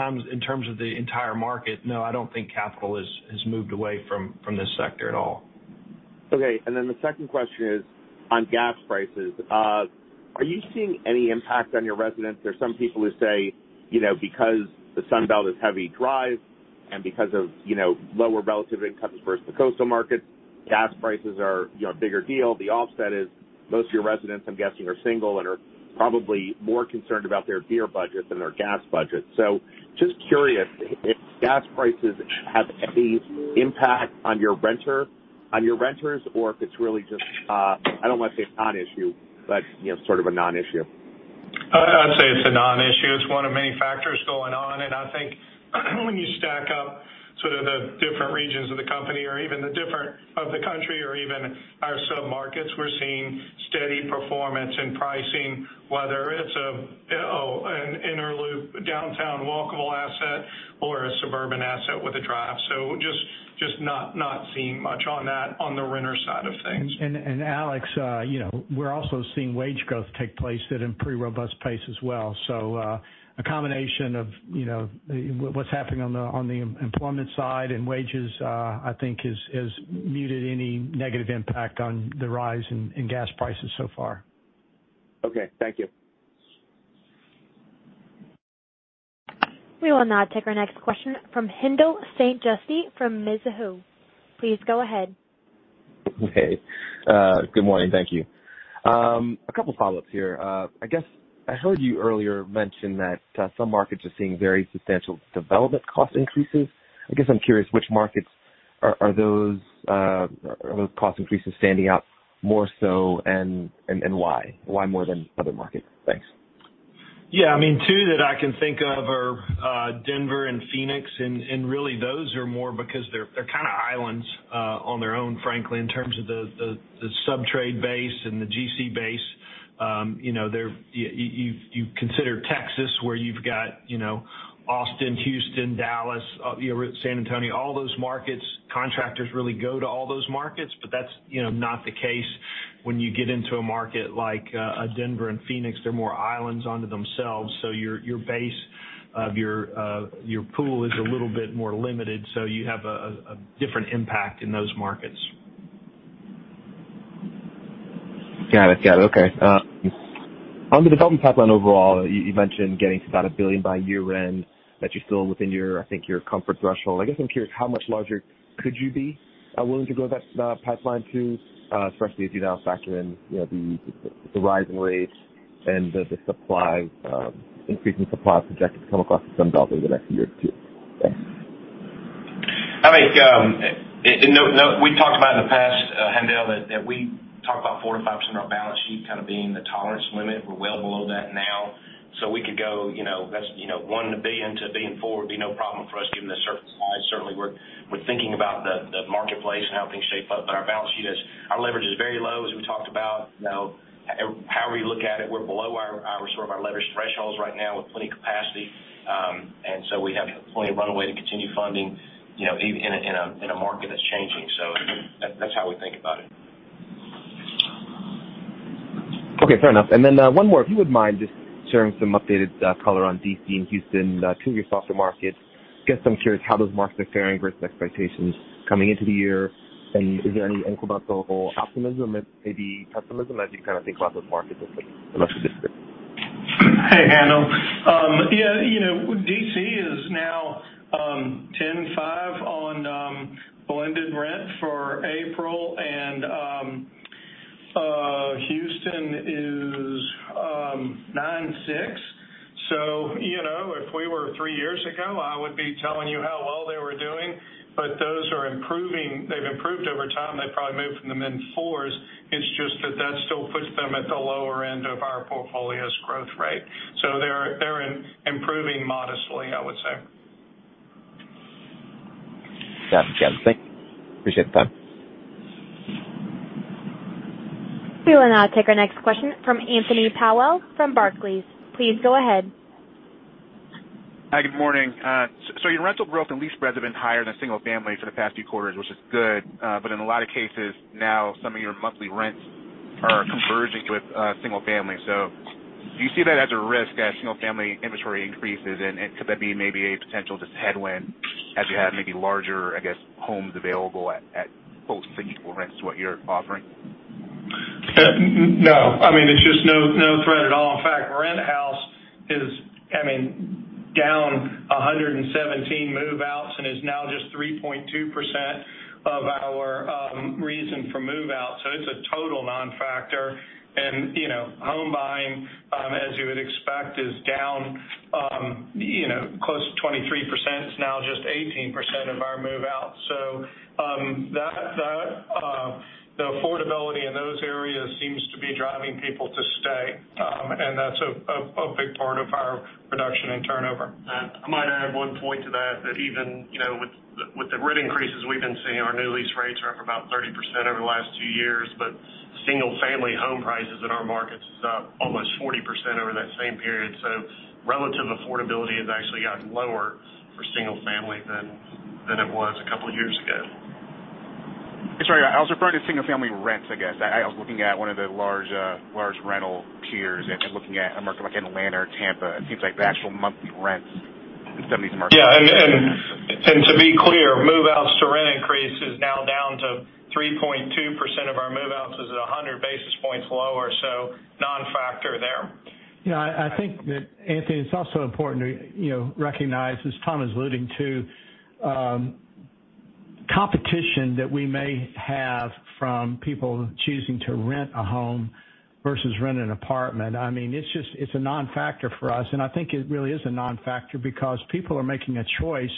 terms of the entire market, no, I don't think capital has moved away from this sector at all. Okay. The second question is on gas prices. Are you seeing any impact on your residents? There's some people who say, you know, because the Sun Belt is heavy drive and because of, you know, lower relative incomes versus the coastal markets, gas prices are, you know, a bigger deal. The offset is most of your residents, I'm guessing, are single and are probably more concerned about their beer budget than their gas budget. Just curious if gas prices have any impact on your renter, on your renters or if it's really just, I don't wanna say it's non-issue, but, you know, sort of a non-issue. I'd say it's a non-issue. It's one of many factors going on, and I think when you stack up sort of the different regions of the company or even the different parts of the country or even our sub-markets, we're seeing steady performance in pricing, whether it's an inner loop downtown walkable asset or a suburban asset with a drive. Just not seeing much on that on the renter side of things. Alex, you know, we're also seeing wage growth take place at a pretty robust pace as well. A combination of, you know, what's happening on the employment side and wages, I think has muted any negative impact on the rise in gas prices so far. Okay. Thank you. We will now take our next question from Haendel St. Juste from Mizuho. Please go ahead. Okay. Good morning. Thank you. A couple follow-ups here. I guess I heard you earlier mention that some markets are seeing very substantial development cost increases. I guess I'm curious which markets are those cost increases standing out more so and why? Why more than other markets? Thanks. Yeah. I mean, two that I can think of are Denver and Phoenix, and really those are more because they're kind of islands on their own, frankly, in terms of the subtrade base and the GC base. You know, you consider Texas, where you've got, you know, Austin, Houston, Dallas, you know, San Antonio, all those markets, contractors really go to all those markets, but that's, you know, not the case when you get into a market like Denver and Phoenix. They're more islands unto themselves. Your base of your pool is a little bit more limited, so you have a different impact in those markets. Got it. Okay. On the development pipeline overall, you mentioned getting to about $1 billion by year-end, that you're still within your, I think, your comfort threshold. I guess I'm curious how much larger could you be willing to grow that pipeline to, especially as you now factor in, you know, the rising rates and the supply, increasing supply projected to come across the Sun Belt over the next year or two. Thanks. I think we talked about in the past, Haendel, that we talk about 4%-5% of our balance sheet kind of being the tolerance limit. We're well below that now. We could go, you know, $1 billion-$4 billion would be no problem for us given the surplus size. Certainly, we're thinking about the marketplace and how things shape up. Our balance sheet is, our leverage is very low, as we talked about. You know, however you look at it, we're below our sort of leverage thresholds right now with plenty capacity. We have plenty of runway to continue funding, you know, in a market that's changing. That's how we think about it. Okay. Fair enough. One more. If you wouldn't mind just sharing some updated color on D.C. and Houston, two of your softer markets. Guess I'm curious how those markets are faring versus expectations coming into the year, and is there any inkling about the overall optimism and maybe pessimism as you kind of think about those markets. Hey, Haendel. Yeah, you know D.C. is now 10.5% on blended rent for April, and Houston is 9.6%. You know, if we were three years ago, I would be telling you how well they were doing. Those are improving. They've improved over time. They've probably moved from the mid-fours. It's just that still puts them at the lower end of our portfolio's growth rate. They're improving modestly, I would say. Got it. Thank you. Appreciate the time. We will now take our next question from Anthony Powell from Barclays. Please go ahead. Hi. Good morning. Your rental growth and lease spreads have been higher than single-family for the past few quarters, which is good. In a lot of cases now, some of your monthly rents are converging with single-family. Do you see that as a risk as single-family inventory increases? Could that be maybe a potential just headwind as you have maybe larger, I guess, homes available at close to equal rents to what you're offering? No. I mean, it's just no threat at all. In fact, renthouses are down 117 move-outs and are now just 3.2% of our reason for move-out. It's a total non-factor. You know, home buying, as you would expect, is down close to 23%. It's now just 18% of our move-out. That, the affordability in those areas seems to be driving people to stay. That's a big part of our reduction in turnover. I might add one point to that even, you know, with the rate increases we've been seeing, our new lease rates are up about 30% over the last two years, but single family home prices in our markets is up almost 40% over that same period. Relative affordability has actually gotten lower for single family than it was a couple years ago. Sorry, I also referred to single family rents, I guess. I was looking at one of the large rental peers and looking at a market like Atlanta or Tampa. It seems like the actual monthly rents in some of these markets. Yeah. To be clear, move outs to rent increase is now down to 3.2% of our move outs is 100 basis points lower, so non-factor there. Yeah, I think that, Anthony, it's also important to, you know, recognize, as Tom is alluding to, competition that we may have from people choosing to rent a home versus rent an apartment. I mean, it's just, it's a non-factor for us, and I think it really is a non-factor because people are making a choice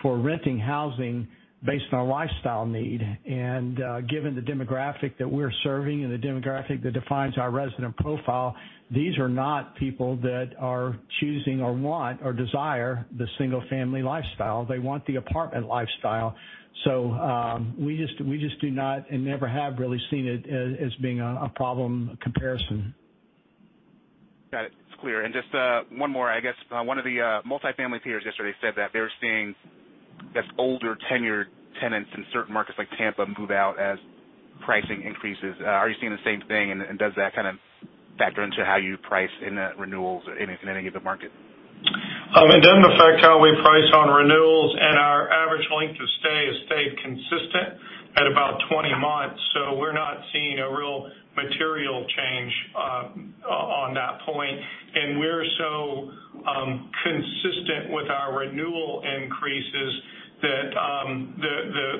for renting housing based on a lifestyle need. Given the demographic that we're serving and the demographic that defines our resident profile, these are not people that are choosing or want or desire the single family lifestyle. They want the apartment lifestyle. We just do not and never have really seen it as being a problem comparison. Got it. It's clear. Just one more, I guess. One of the multifamily peers yesterday said that they're seeing, I guess, older tenured tenants in certain markets like Tampa move out as pricing increases. Are you seeing the same thing? Does that kind of factor into how you price in the renewals in any of the markets? It doesn't affect how we price on renewals, and our average length of stay has stayed consistent at about 20 months, so we're not seeing a real material change on that point. We're so consistent with our renewal increases that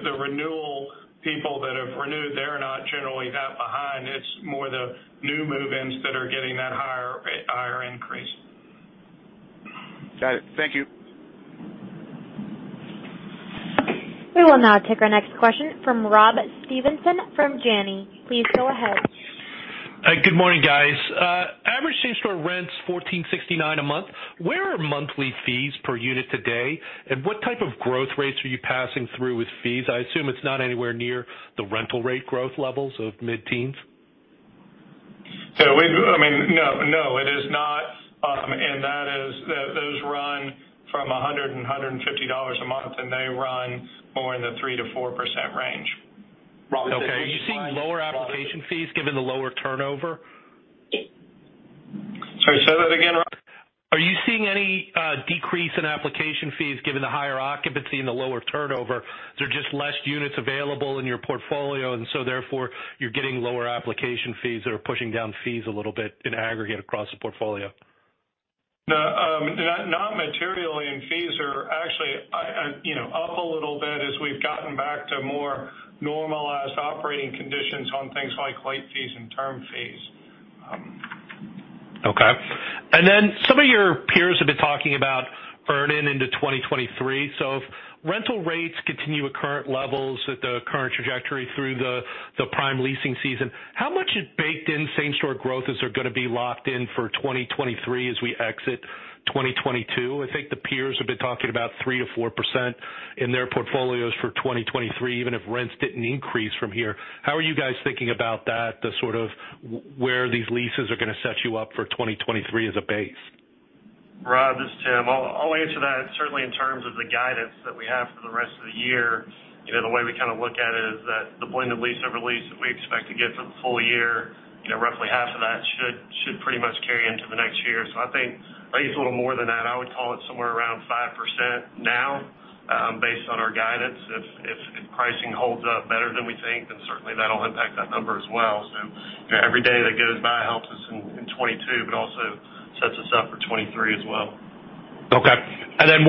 the renewal people that have renewed, they're not generally that behind. It's more the new move-ins that are getting that higher increase. Got it. Thank you. We will now take our next question from Rob Stevenson from Janney. Please go ahead. Hi. Good morning, guys. Same-store rents $1,469 a month. Where are monthly fees per unit today, and what type of growth rates are you passing through with fees? I assume it's not anywhere near the rental rate growth levels of mid-teens. I mean, no, it is not. Those run from $100-$150 a month, and they run more in the 3%-4% range. Are you seeing lower application fees given the lower turnover? Sorry, say that again, Rob. Are you seeing any decrease in application fees given the higher occupancy and the lower turnover? There are just less units available in your portfolio, and so therefore you're getting lower application fees that are pushing down fees a little bit in aggregate across the portfolio. No, not materially, and fees are actually, you know, up a little bit as we've gotten back to more normalized operating conditions on things like late fees and term fees. Okay. Some of your peers have been talking about earn-in into 2023. If rental rates continue at current levels, at the current trajectory through the prime leasing season, how much of baked-in same-store growth is there gonna be locked in for 2023 as we exit 2022? I think the peers have been talking about 3%-4% in their portfolios for 2023, even if rents didn't increase from here. How are you guys thinking about that, the sort of where these leases are gonna set you up for 2023 as a base? Rob, this is Tim. I'll answer that certainly in terms of the guidance that we have for the rest of the year. You know, the way we kind of look at it is that the blended lease over lease that we expect to get for the full-year, you know, roughly half of that should pretty much carry into the next year. I think maybe it's a little more than that. I would call it somewhere around 5% now, based on our guidance. If pricing holds up better than we think, then certainly that'll impact that number as well. You know, every day that goes by helps us in 2022, but also sets us up for 2023 as well. Okay.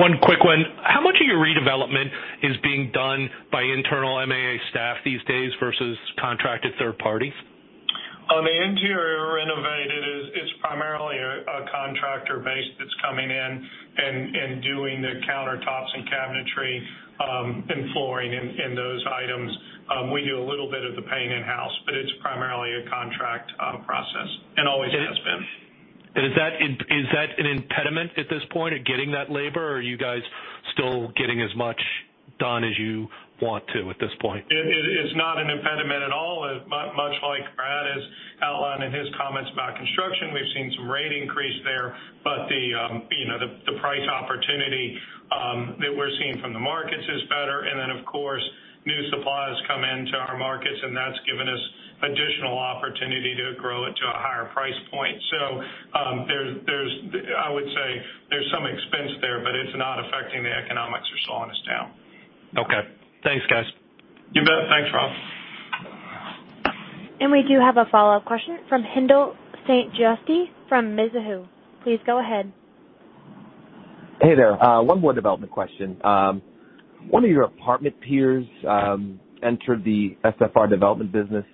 One quick one. How much of your redevelopment is being done by internal MAA staff these days versus contracted third parties? On the interior renovated, it's primarily a contractor base that's coming in and doing the countertops and cabinetry, and flooring and those items. We do a little bit of the painting in-house, but it's primarily a contract process and always has been. Is that an impediment at this point of getting that labor, or are you guys still getting as much done as you want to at this point? It's not an impediment at all. Much like Brad has outlined in his comments about construction, we've seen some rate increase there, but the price opportunity that we're seeing from the markets is better. Of course, new supply has come into our markets, and that's given us additional opportunity to grow it to a higher price point. There's some expense there, but it's not affecting the economics we're seeing this term. Okay. Thanks, guys. You bet. Thanks, Rob. We do have a follow-up question from Haendel St. Juste from Mizuho. Please go ahead. Hey there. One more development question. One of your apartment peers entered the SFR development business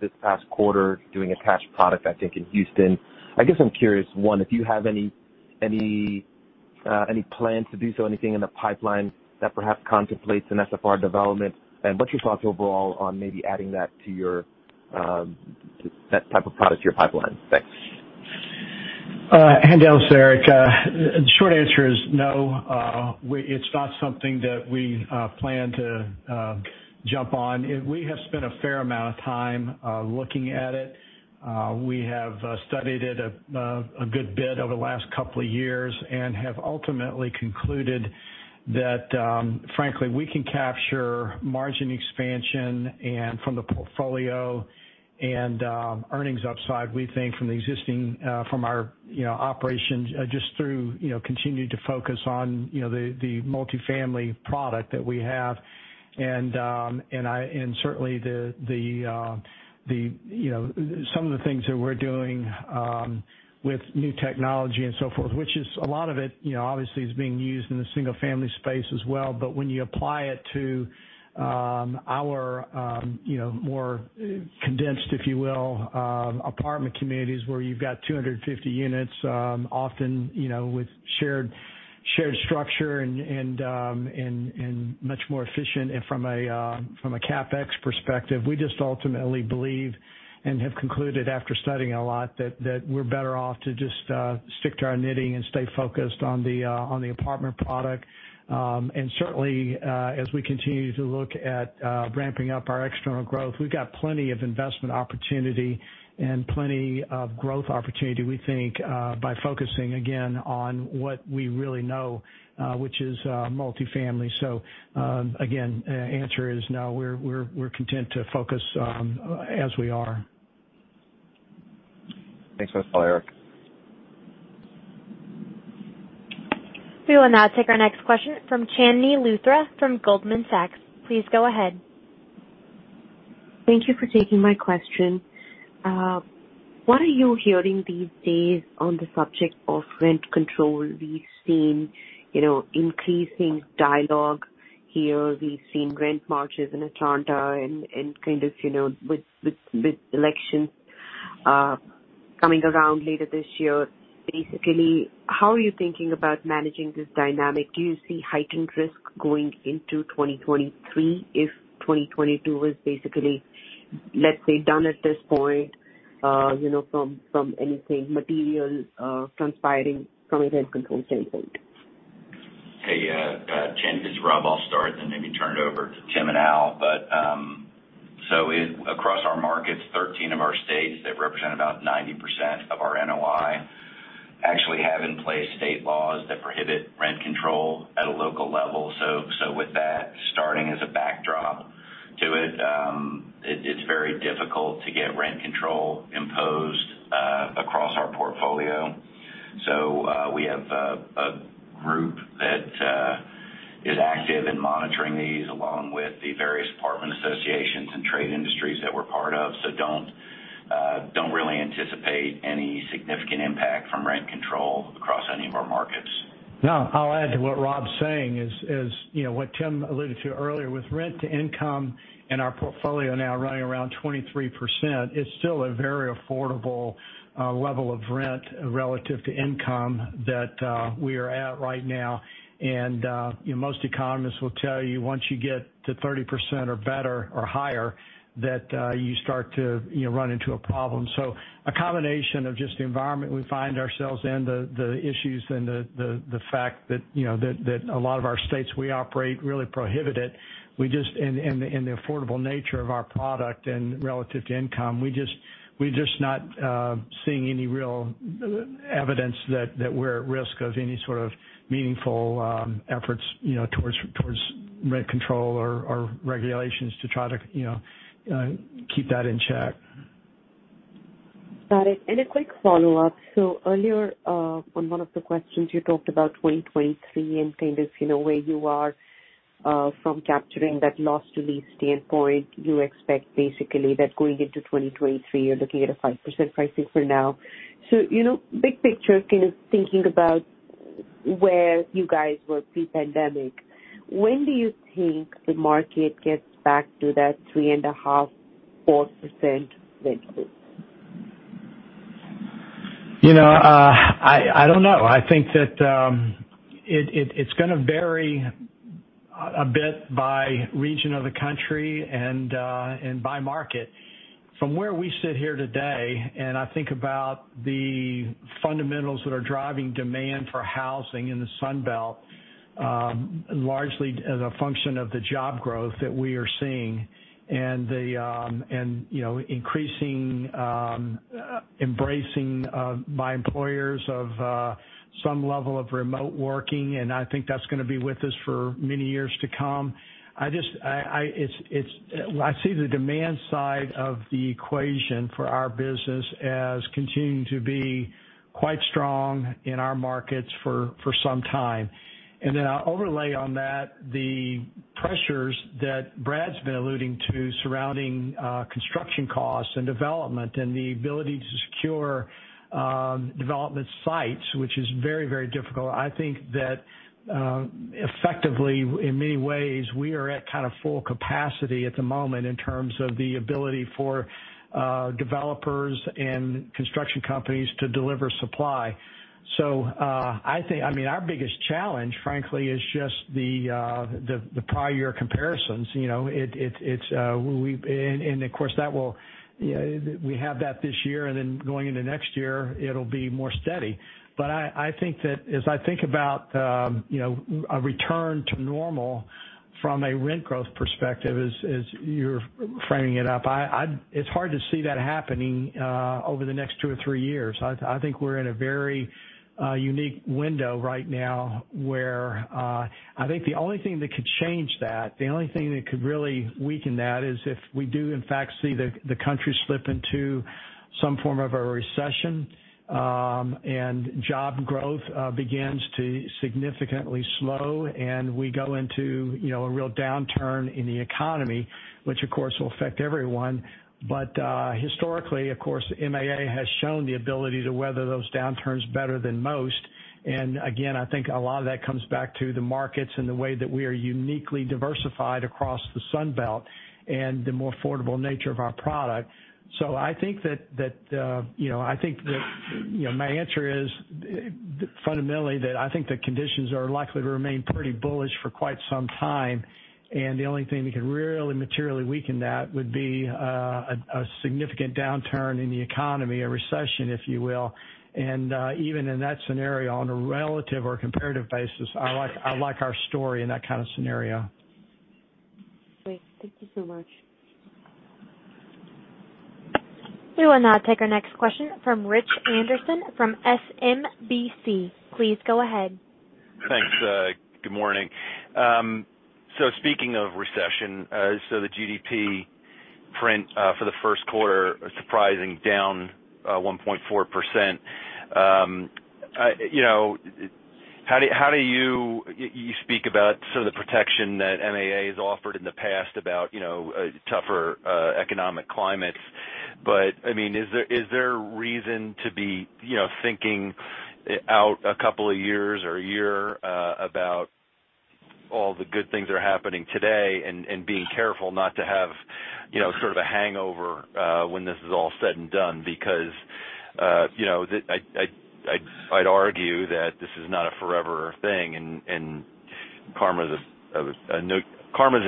this past quarter doing a cash product, I think, in Houston. I guess I'm curious, one, if you have any plans to do so, anything in the pipeline that perhaps contemplates an SFR development? What's your thoughts overall on maybe adding that to your that type of product to your pipeline? Thanks. Haendel, it's Eric. The short answer is no. It's not something that we plan to jump on. We have spent a fair amount of time looking at it. We have studied it a good bit over the last couple of years and have ultimately concluded that, frankly, we can capture margin expansion from the portfolio and earnings upside, we think, from our operations just through you know continuing to focus on you know the multifamily product that we have. Certainly you know some of the things that we're doing with new technology and so forth, which is a lot of it you know obviously is being used in the single family space as well. When you apply it to our, you know, more condensed, if you will, apartment communities where you've got 250 units, often, you know, with shared structure and much more efficient from a CapEx perspective. We just ultimately believe and have concluded after studying a lot that we're better off to just stick to our knitting and stay focused on the apartment product. Certainly as we continue to look at ramping up our external growth, we've got plenty of investment opportunity and plenty of growth opportunity, we think, by focusing again on what we really know, which is multifamily. Again, answer is no. We're content to focus as we are. Thanks so much. Bye, Eric. We will now take our next question from Chandni Luthra from Goldman Sachs. Please go ahead. Thank you for taking my question. What are you hearing these days on the subject of rent control? We've seen, you know, increasing dialogue here. We've seen rent marches in Atlanta and kind of, you know, with elections coming around later this year. Basically, how are you thinking about managing this dynamic? Do you see heightened risk going into 2023 if 2022 is basically, let's say, done at this point, you know, from anything material, transpiring from a rent control standpoint? Hey, Tim, this is Rob. I'll start, then maybe turn it over to Tim and Al. Across our markets, 13 of our states that represent about 90% of our NOI actually have in place state laws that prohibit rent control at a local level. With that starting as a backdrop to it's very difficult to get rent control imposed across our portfolio. We have a group that is active in monitoring these along with the various apartment associations and trade industries that we're part of. We don't really anticipate any significant impact from rent control across any of our markets. No. I'll add to what Rob's saying is, you know, what Tim alluded to earlier, with rent to income in our portfolio now running around 23%, it's still a very affordable level of rent relative to income that we are at right now. You know, most economists will tell you once you get to 30% or better or higher, that you start to, you know, run into a problem. A combination of just the environment we find ourselves in, the issues and the fact that, you know, a lot of our states we operate really prohibit it. We just... In the affordable nature of our product and relative to income, we're just not seeing any real evidence that we're at risk of any sort of meaningful efforts, you know, towards rent control or regulations to try to, you know, keep that in check. Got it. A quick follow-up. Earlier, on one of the questions you talked about 2023 and kind of, you know, where you are from capturing that lost lease standpoint, you expect basically that going into 2023, you're looking at a 5% pricing for now. You know, big picture kind of thinking about where you guys were pre-pandemic, when do you think the market gets back to that 3.5%-4% rent increase? You know, I don't know. I think that it's gonna vary a bit by region of the country and by market. From where we sit here today, I think about the fundamentals that are driving demand for housing in the Sun Belt, largely as a function of the job growth that we are seeing and the, you know, increasing embracing by employers of some level of remote working, and I think that's gonna be with us for many years to come. Well, I see the demand side of the equation for our business as continuing to be quite strong in our markets for some time. I'll overlay on that the pressures that Brad's been alluding to surrounding construction costs and development and the ability to secure development sites, which is very, very difficult. I think that, effectively, in many ways, we are at kind of full capacity at the moment in terms of the ability for developers and construction companies to deliver supply. I mean, our biggest challenge, frankly, is just the prior year comparisons. You know, we have that this year, and then going into next year it'll be more steady. I think that as I think about, you know, a return to normal from a rent growth perspective, as you're framing it up. It's hard to see that happening over the next two or three years. I think we're in a very unique window right now, where I think the only thing that could change that, the only thing that could really weaken that is if we do in fact see the country slip into some form of a recession, and job growth begins to significantly slow, and we go into, you know, a real downturn in the economy, which of course will affect everyone. Historically, of course, MAA has shown the ability to weather those downturns better than most. Again, I think a lot of that comes back to the markets and the way that we are uniquely diversified across the Sun Belt and the more affordable nature of our product. I think that, you know, my answer is fundamentally that I think the conditions are likely to remain pretty bullish for quite some time, and the only thing that could really materially weaken that would be a significant downturn in the economy, a recession if you will. Even in that scenario, on a relative or comparative basis, I like our story in that kind of scenario. Great. Thank you so much. We will now take our next question from Rich Anderson from SMBC. Please go ahead. Thanks. Good morning. Speaking of recession, the GDP print for the first quarter surprisingly down 1.4%. You know, how do you speak about some of the protection that MAA has offered in the past about, you know, tougher economic climates. I mean, is there reason to be, you know, thinking out a couple of years or a year about all the good things are happening today and being careful not to have, you know, sort of a hangover, when this is all said and done because, you know, I'd argue that this is not a forever thing and karma's a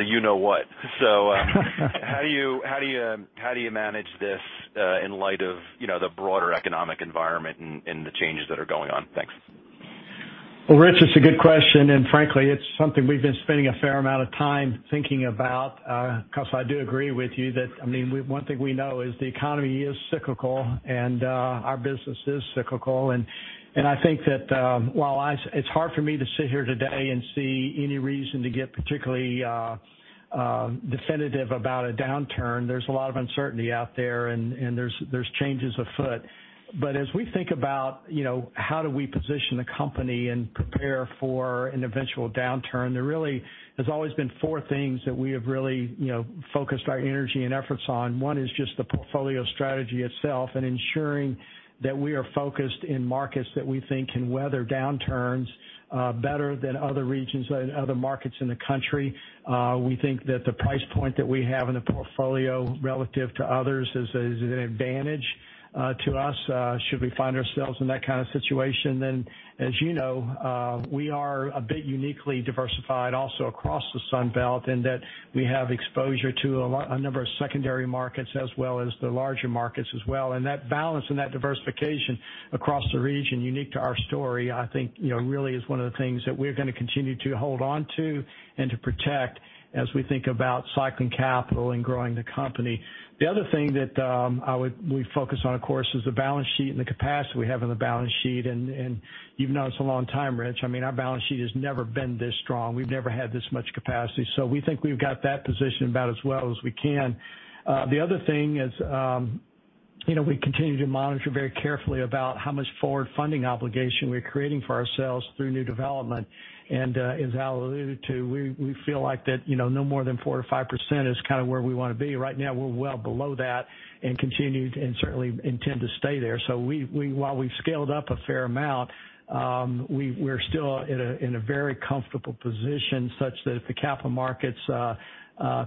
you know what. How do you manage this in light of, you know, the broader economic environment and the changes that are going on? Thanks. Well, Rich, it's a good question, and frankly, it's something we've been spending a fair amount of time thinking about, because I do agree with you that, I mean, one thing we know is the economy is cyclical and, our business is cyclical. I think that, it's hard for me to sit here today and see any reason to get particularly, definitive about a downturn. There's a lot of uncertainty out there, and there's changes afoot. As we think about, you know, how do we position the company and prepare for an eventual downturn, there really has always been four things that we have really, you know, focused our energy and efforts on. One is just the portfolio strategy itself and ensuring that we are focused in markets that we think can weather downturns better than other regions and other markets in the country. We think that the price point that we have in the portfolio relative to others is an advantage to us should we find ourselves in that kind of situation. As you know, we are a bit uniquely diversified also across the Sun Belt in that we have exposure to a number of secondary markets as well as the larger markets as well. That balance and that diversification across the region, unique to our story, I think, you know, really is one of the things that we're gonna continue to hold on to and to protect as we think about cycling capital and growing the company. The other thing that we focus on, of course, is the balance sheet and the capacity we have in the balance sheet. You've known us a long time, Rich. I mean, our balance sheet has never been this strong. We've never had this much capacity. We think we've got that position about as well as we can. The other thing is, you know, we continue to monitor very carefully about how much forward funding obligation we're creating for ourselves through new development. As Al alluded to, we feel like that, you know, no more than 4%-5% is kind of where we wanna be. Right now, we're well below that and certainly intend to stay there. While we've scaled up a fair amount, we're still in a very comfortable position such that if the capital markets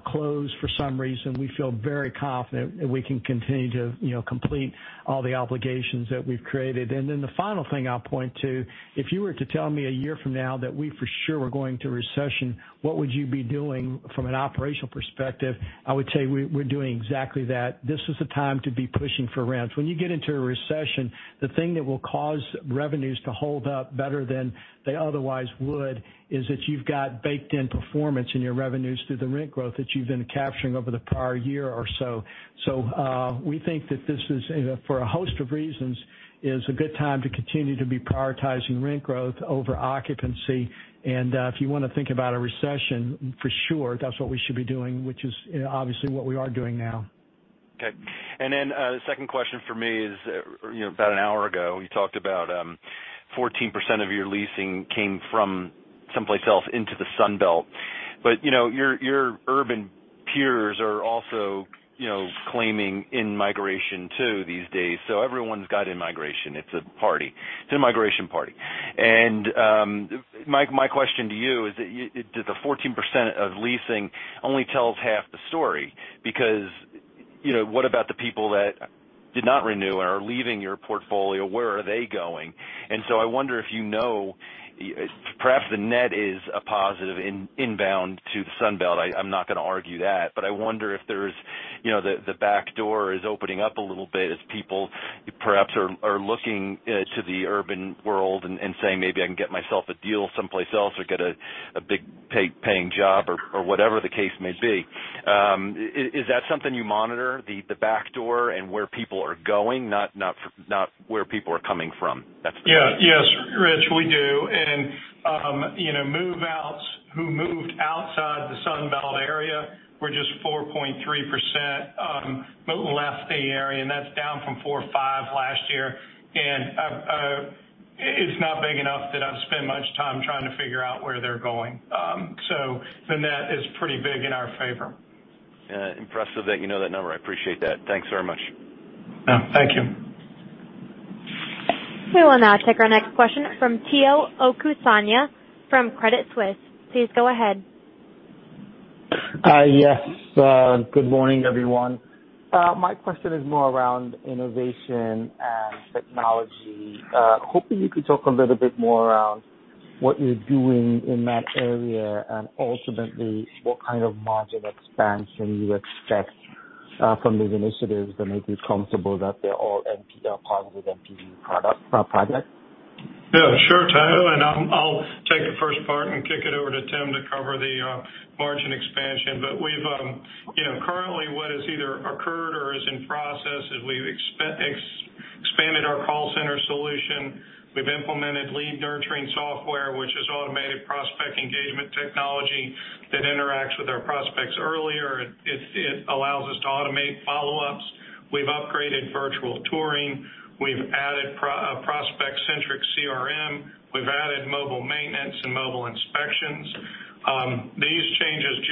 close for some reason, we feel very confident that we can continue to, you know, complete all the obligations that we've created. Then the final thing I'll point to, if you were to tell me a year from now that we for sure were going into a recession, what would you be doing from an operational perspective? I would say we're doing exactly that. This is the time to be pushing for rents. When you get into a recession, the thing that will cause revenues to hold up better than they otherwise would is that you've got baked in performance in your revenues through the rent growth that you've been capturing over the prior year or so. We think that this is, for a host of reasons, a good time to continue to be prioritizing rent growth over occupancy. If you wanna think about a recession, for sure, that's what we should be doing, which is, you know, obviously what we are doing now. Okay. The second question for me is, you know, about an hour ago, you talked about 14% of your leasing came from someplace else into the Sun Belt. Your urban peers are also, you know, claiming in-migration too these days. Everyone's got in-migration. It's a party. It's a migration party. My question to you is, does the 14% of leasing only tells half the story? Because, you know, what about the people that did not renew or are leaving your portfolio, where are they going? I wonder, you know, perhaps the net is a positive inbound to the Sun Belt. I'm not gonna argue that, but I wonder if there's, you know, the backdoor is opening up a little bit as people perhaps are looking to the urban world and saying, "Maybe I can get myself a deal someplace else or get a big paying job or whatever the case may be." Is that something you monitor, the backdoor and where people are going, not where people are coming from? That's the question. Yes. Yes, Rich, we do. You know, move-outs who moved outside the Sun Belt area were just 4.3%, left the area, and that's down from four or five last year. It's not big enough that I would spend much time trying to figure out where they're going. The net is pretty big in our favor. Yeah. Impressive that you know that number. I appreciate that. Thanks very much. Yeah, thank you. We will now take our next question from Tayo Okusanya from Credit Suisse. Please go ahead. Hi. Yes. Good morning, everyone. My question is more around innovation and technology. Hoping you could talk a little bit more around what you're doing in that area and ultimately what kind of margin expansion you expect from these initiatives that make you comfortable that they're all positive-margin product projects. Yeah, sure, Tayo. I'll take the first part and kick it over to Tim to cover the margin expansion. We've, you know, currently what has either occurred or is in process is we've expanded our call center solution. We've implemented lead nurturing software, which is automated prospect engagement technology that interacts with our prospects earlier. It allows us to automate follow-ups. We've upgraded virtual touring. We've added prospect-centric CRM. We've added mobile maintenance and mobile inspections. These changes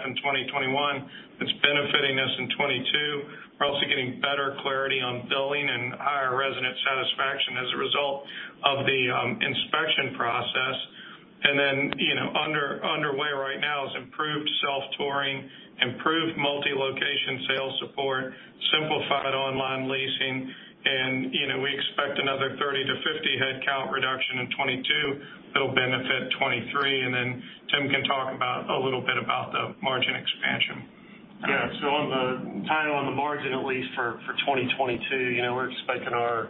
in 2021, it's benefiting us in 2022. We're also getting better clarity on billing and higher resident satisfaction as a result of the inspection process. You know, underway right now is improved self-touring, improved multi-location sales support, simplified online leasing, and, you know, we expect another 30-50 headcount reduction in 2022. That'll benefit 2023, and then Tim can talk a little bit about the margin expansion. Yeah. On the margin, at least for 2022, you know, we're expecting our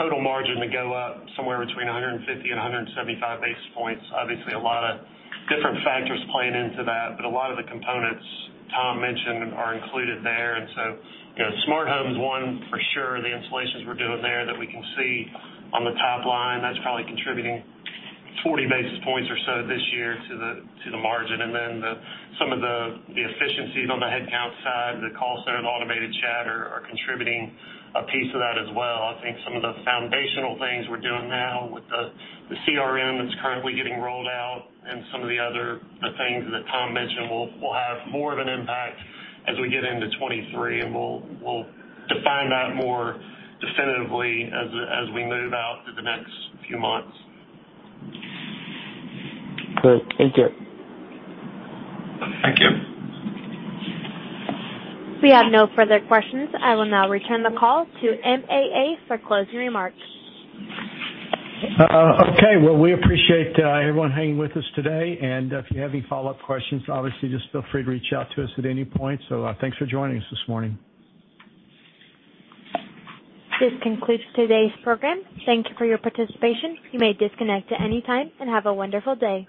total margin to go up somewhere between 150 and 175 basis points. Obviously, a lot of different factors playing into that, but a lot of the components Tom mentioned are included there. You know, smart home is one for sure. The installations we're doing there that we can see on the top line, that's probably contributing 40 basis points or so this year to the margin. Some of the efficiencies on the headcount side, the call center and the automated chat are contributing a piece of that as well. I think some of the foundational things we're doing now with the CRM that's currently getting rolled out and some of the things that Tom mentioned will have more of an impact as we get into 2023. We'll define that more definitively as we move out through the next few months. Great. Thank you. Thank you. We have no further questions. I will now return the call to MAA for closing remarks. Okay. Well, we appreciate everyone hanging with us today. If you have any follow-up questions, obviously just feel free to reach out to us at any point. Thanks for joining us this morning. This concludes today's program. Thank you for your participation. You may disconnect at any time, and have a wonderful day.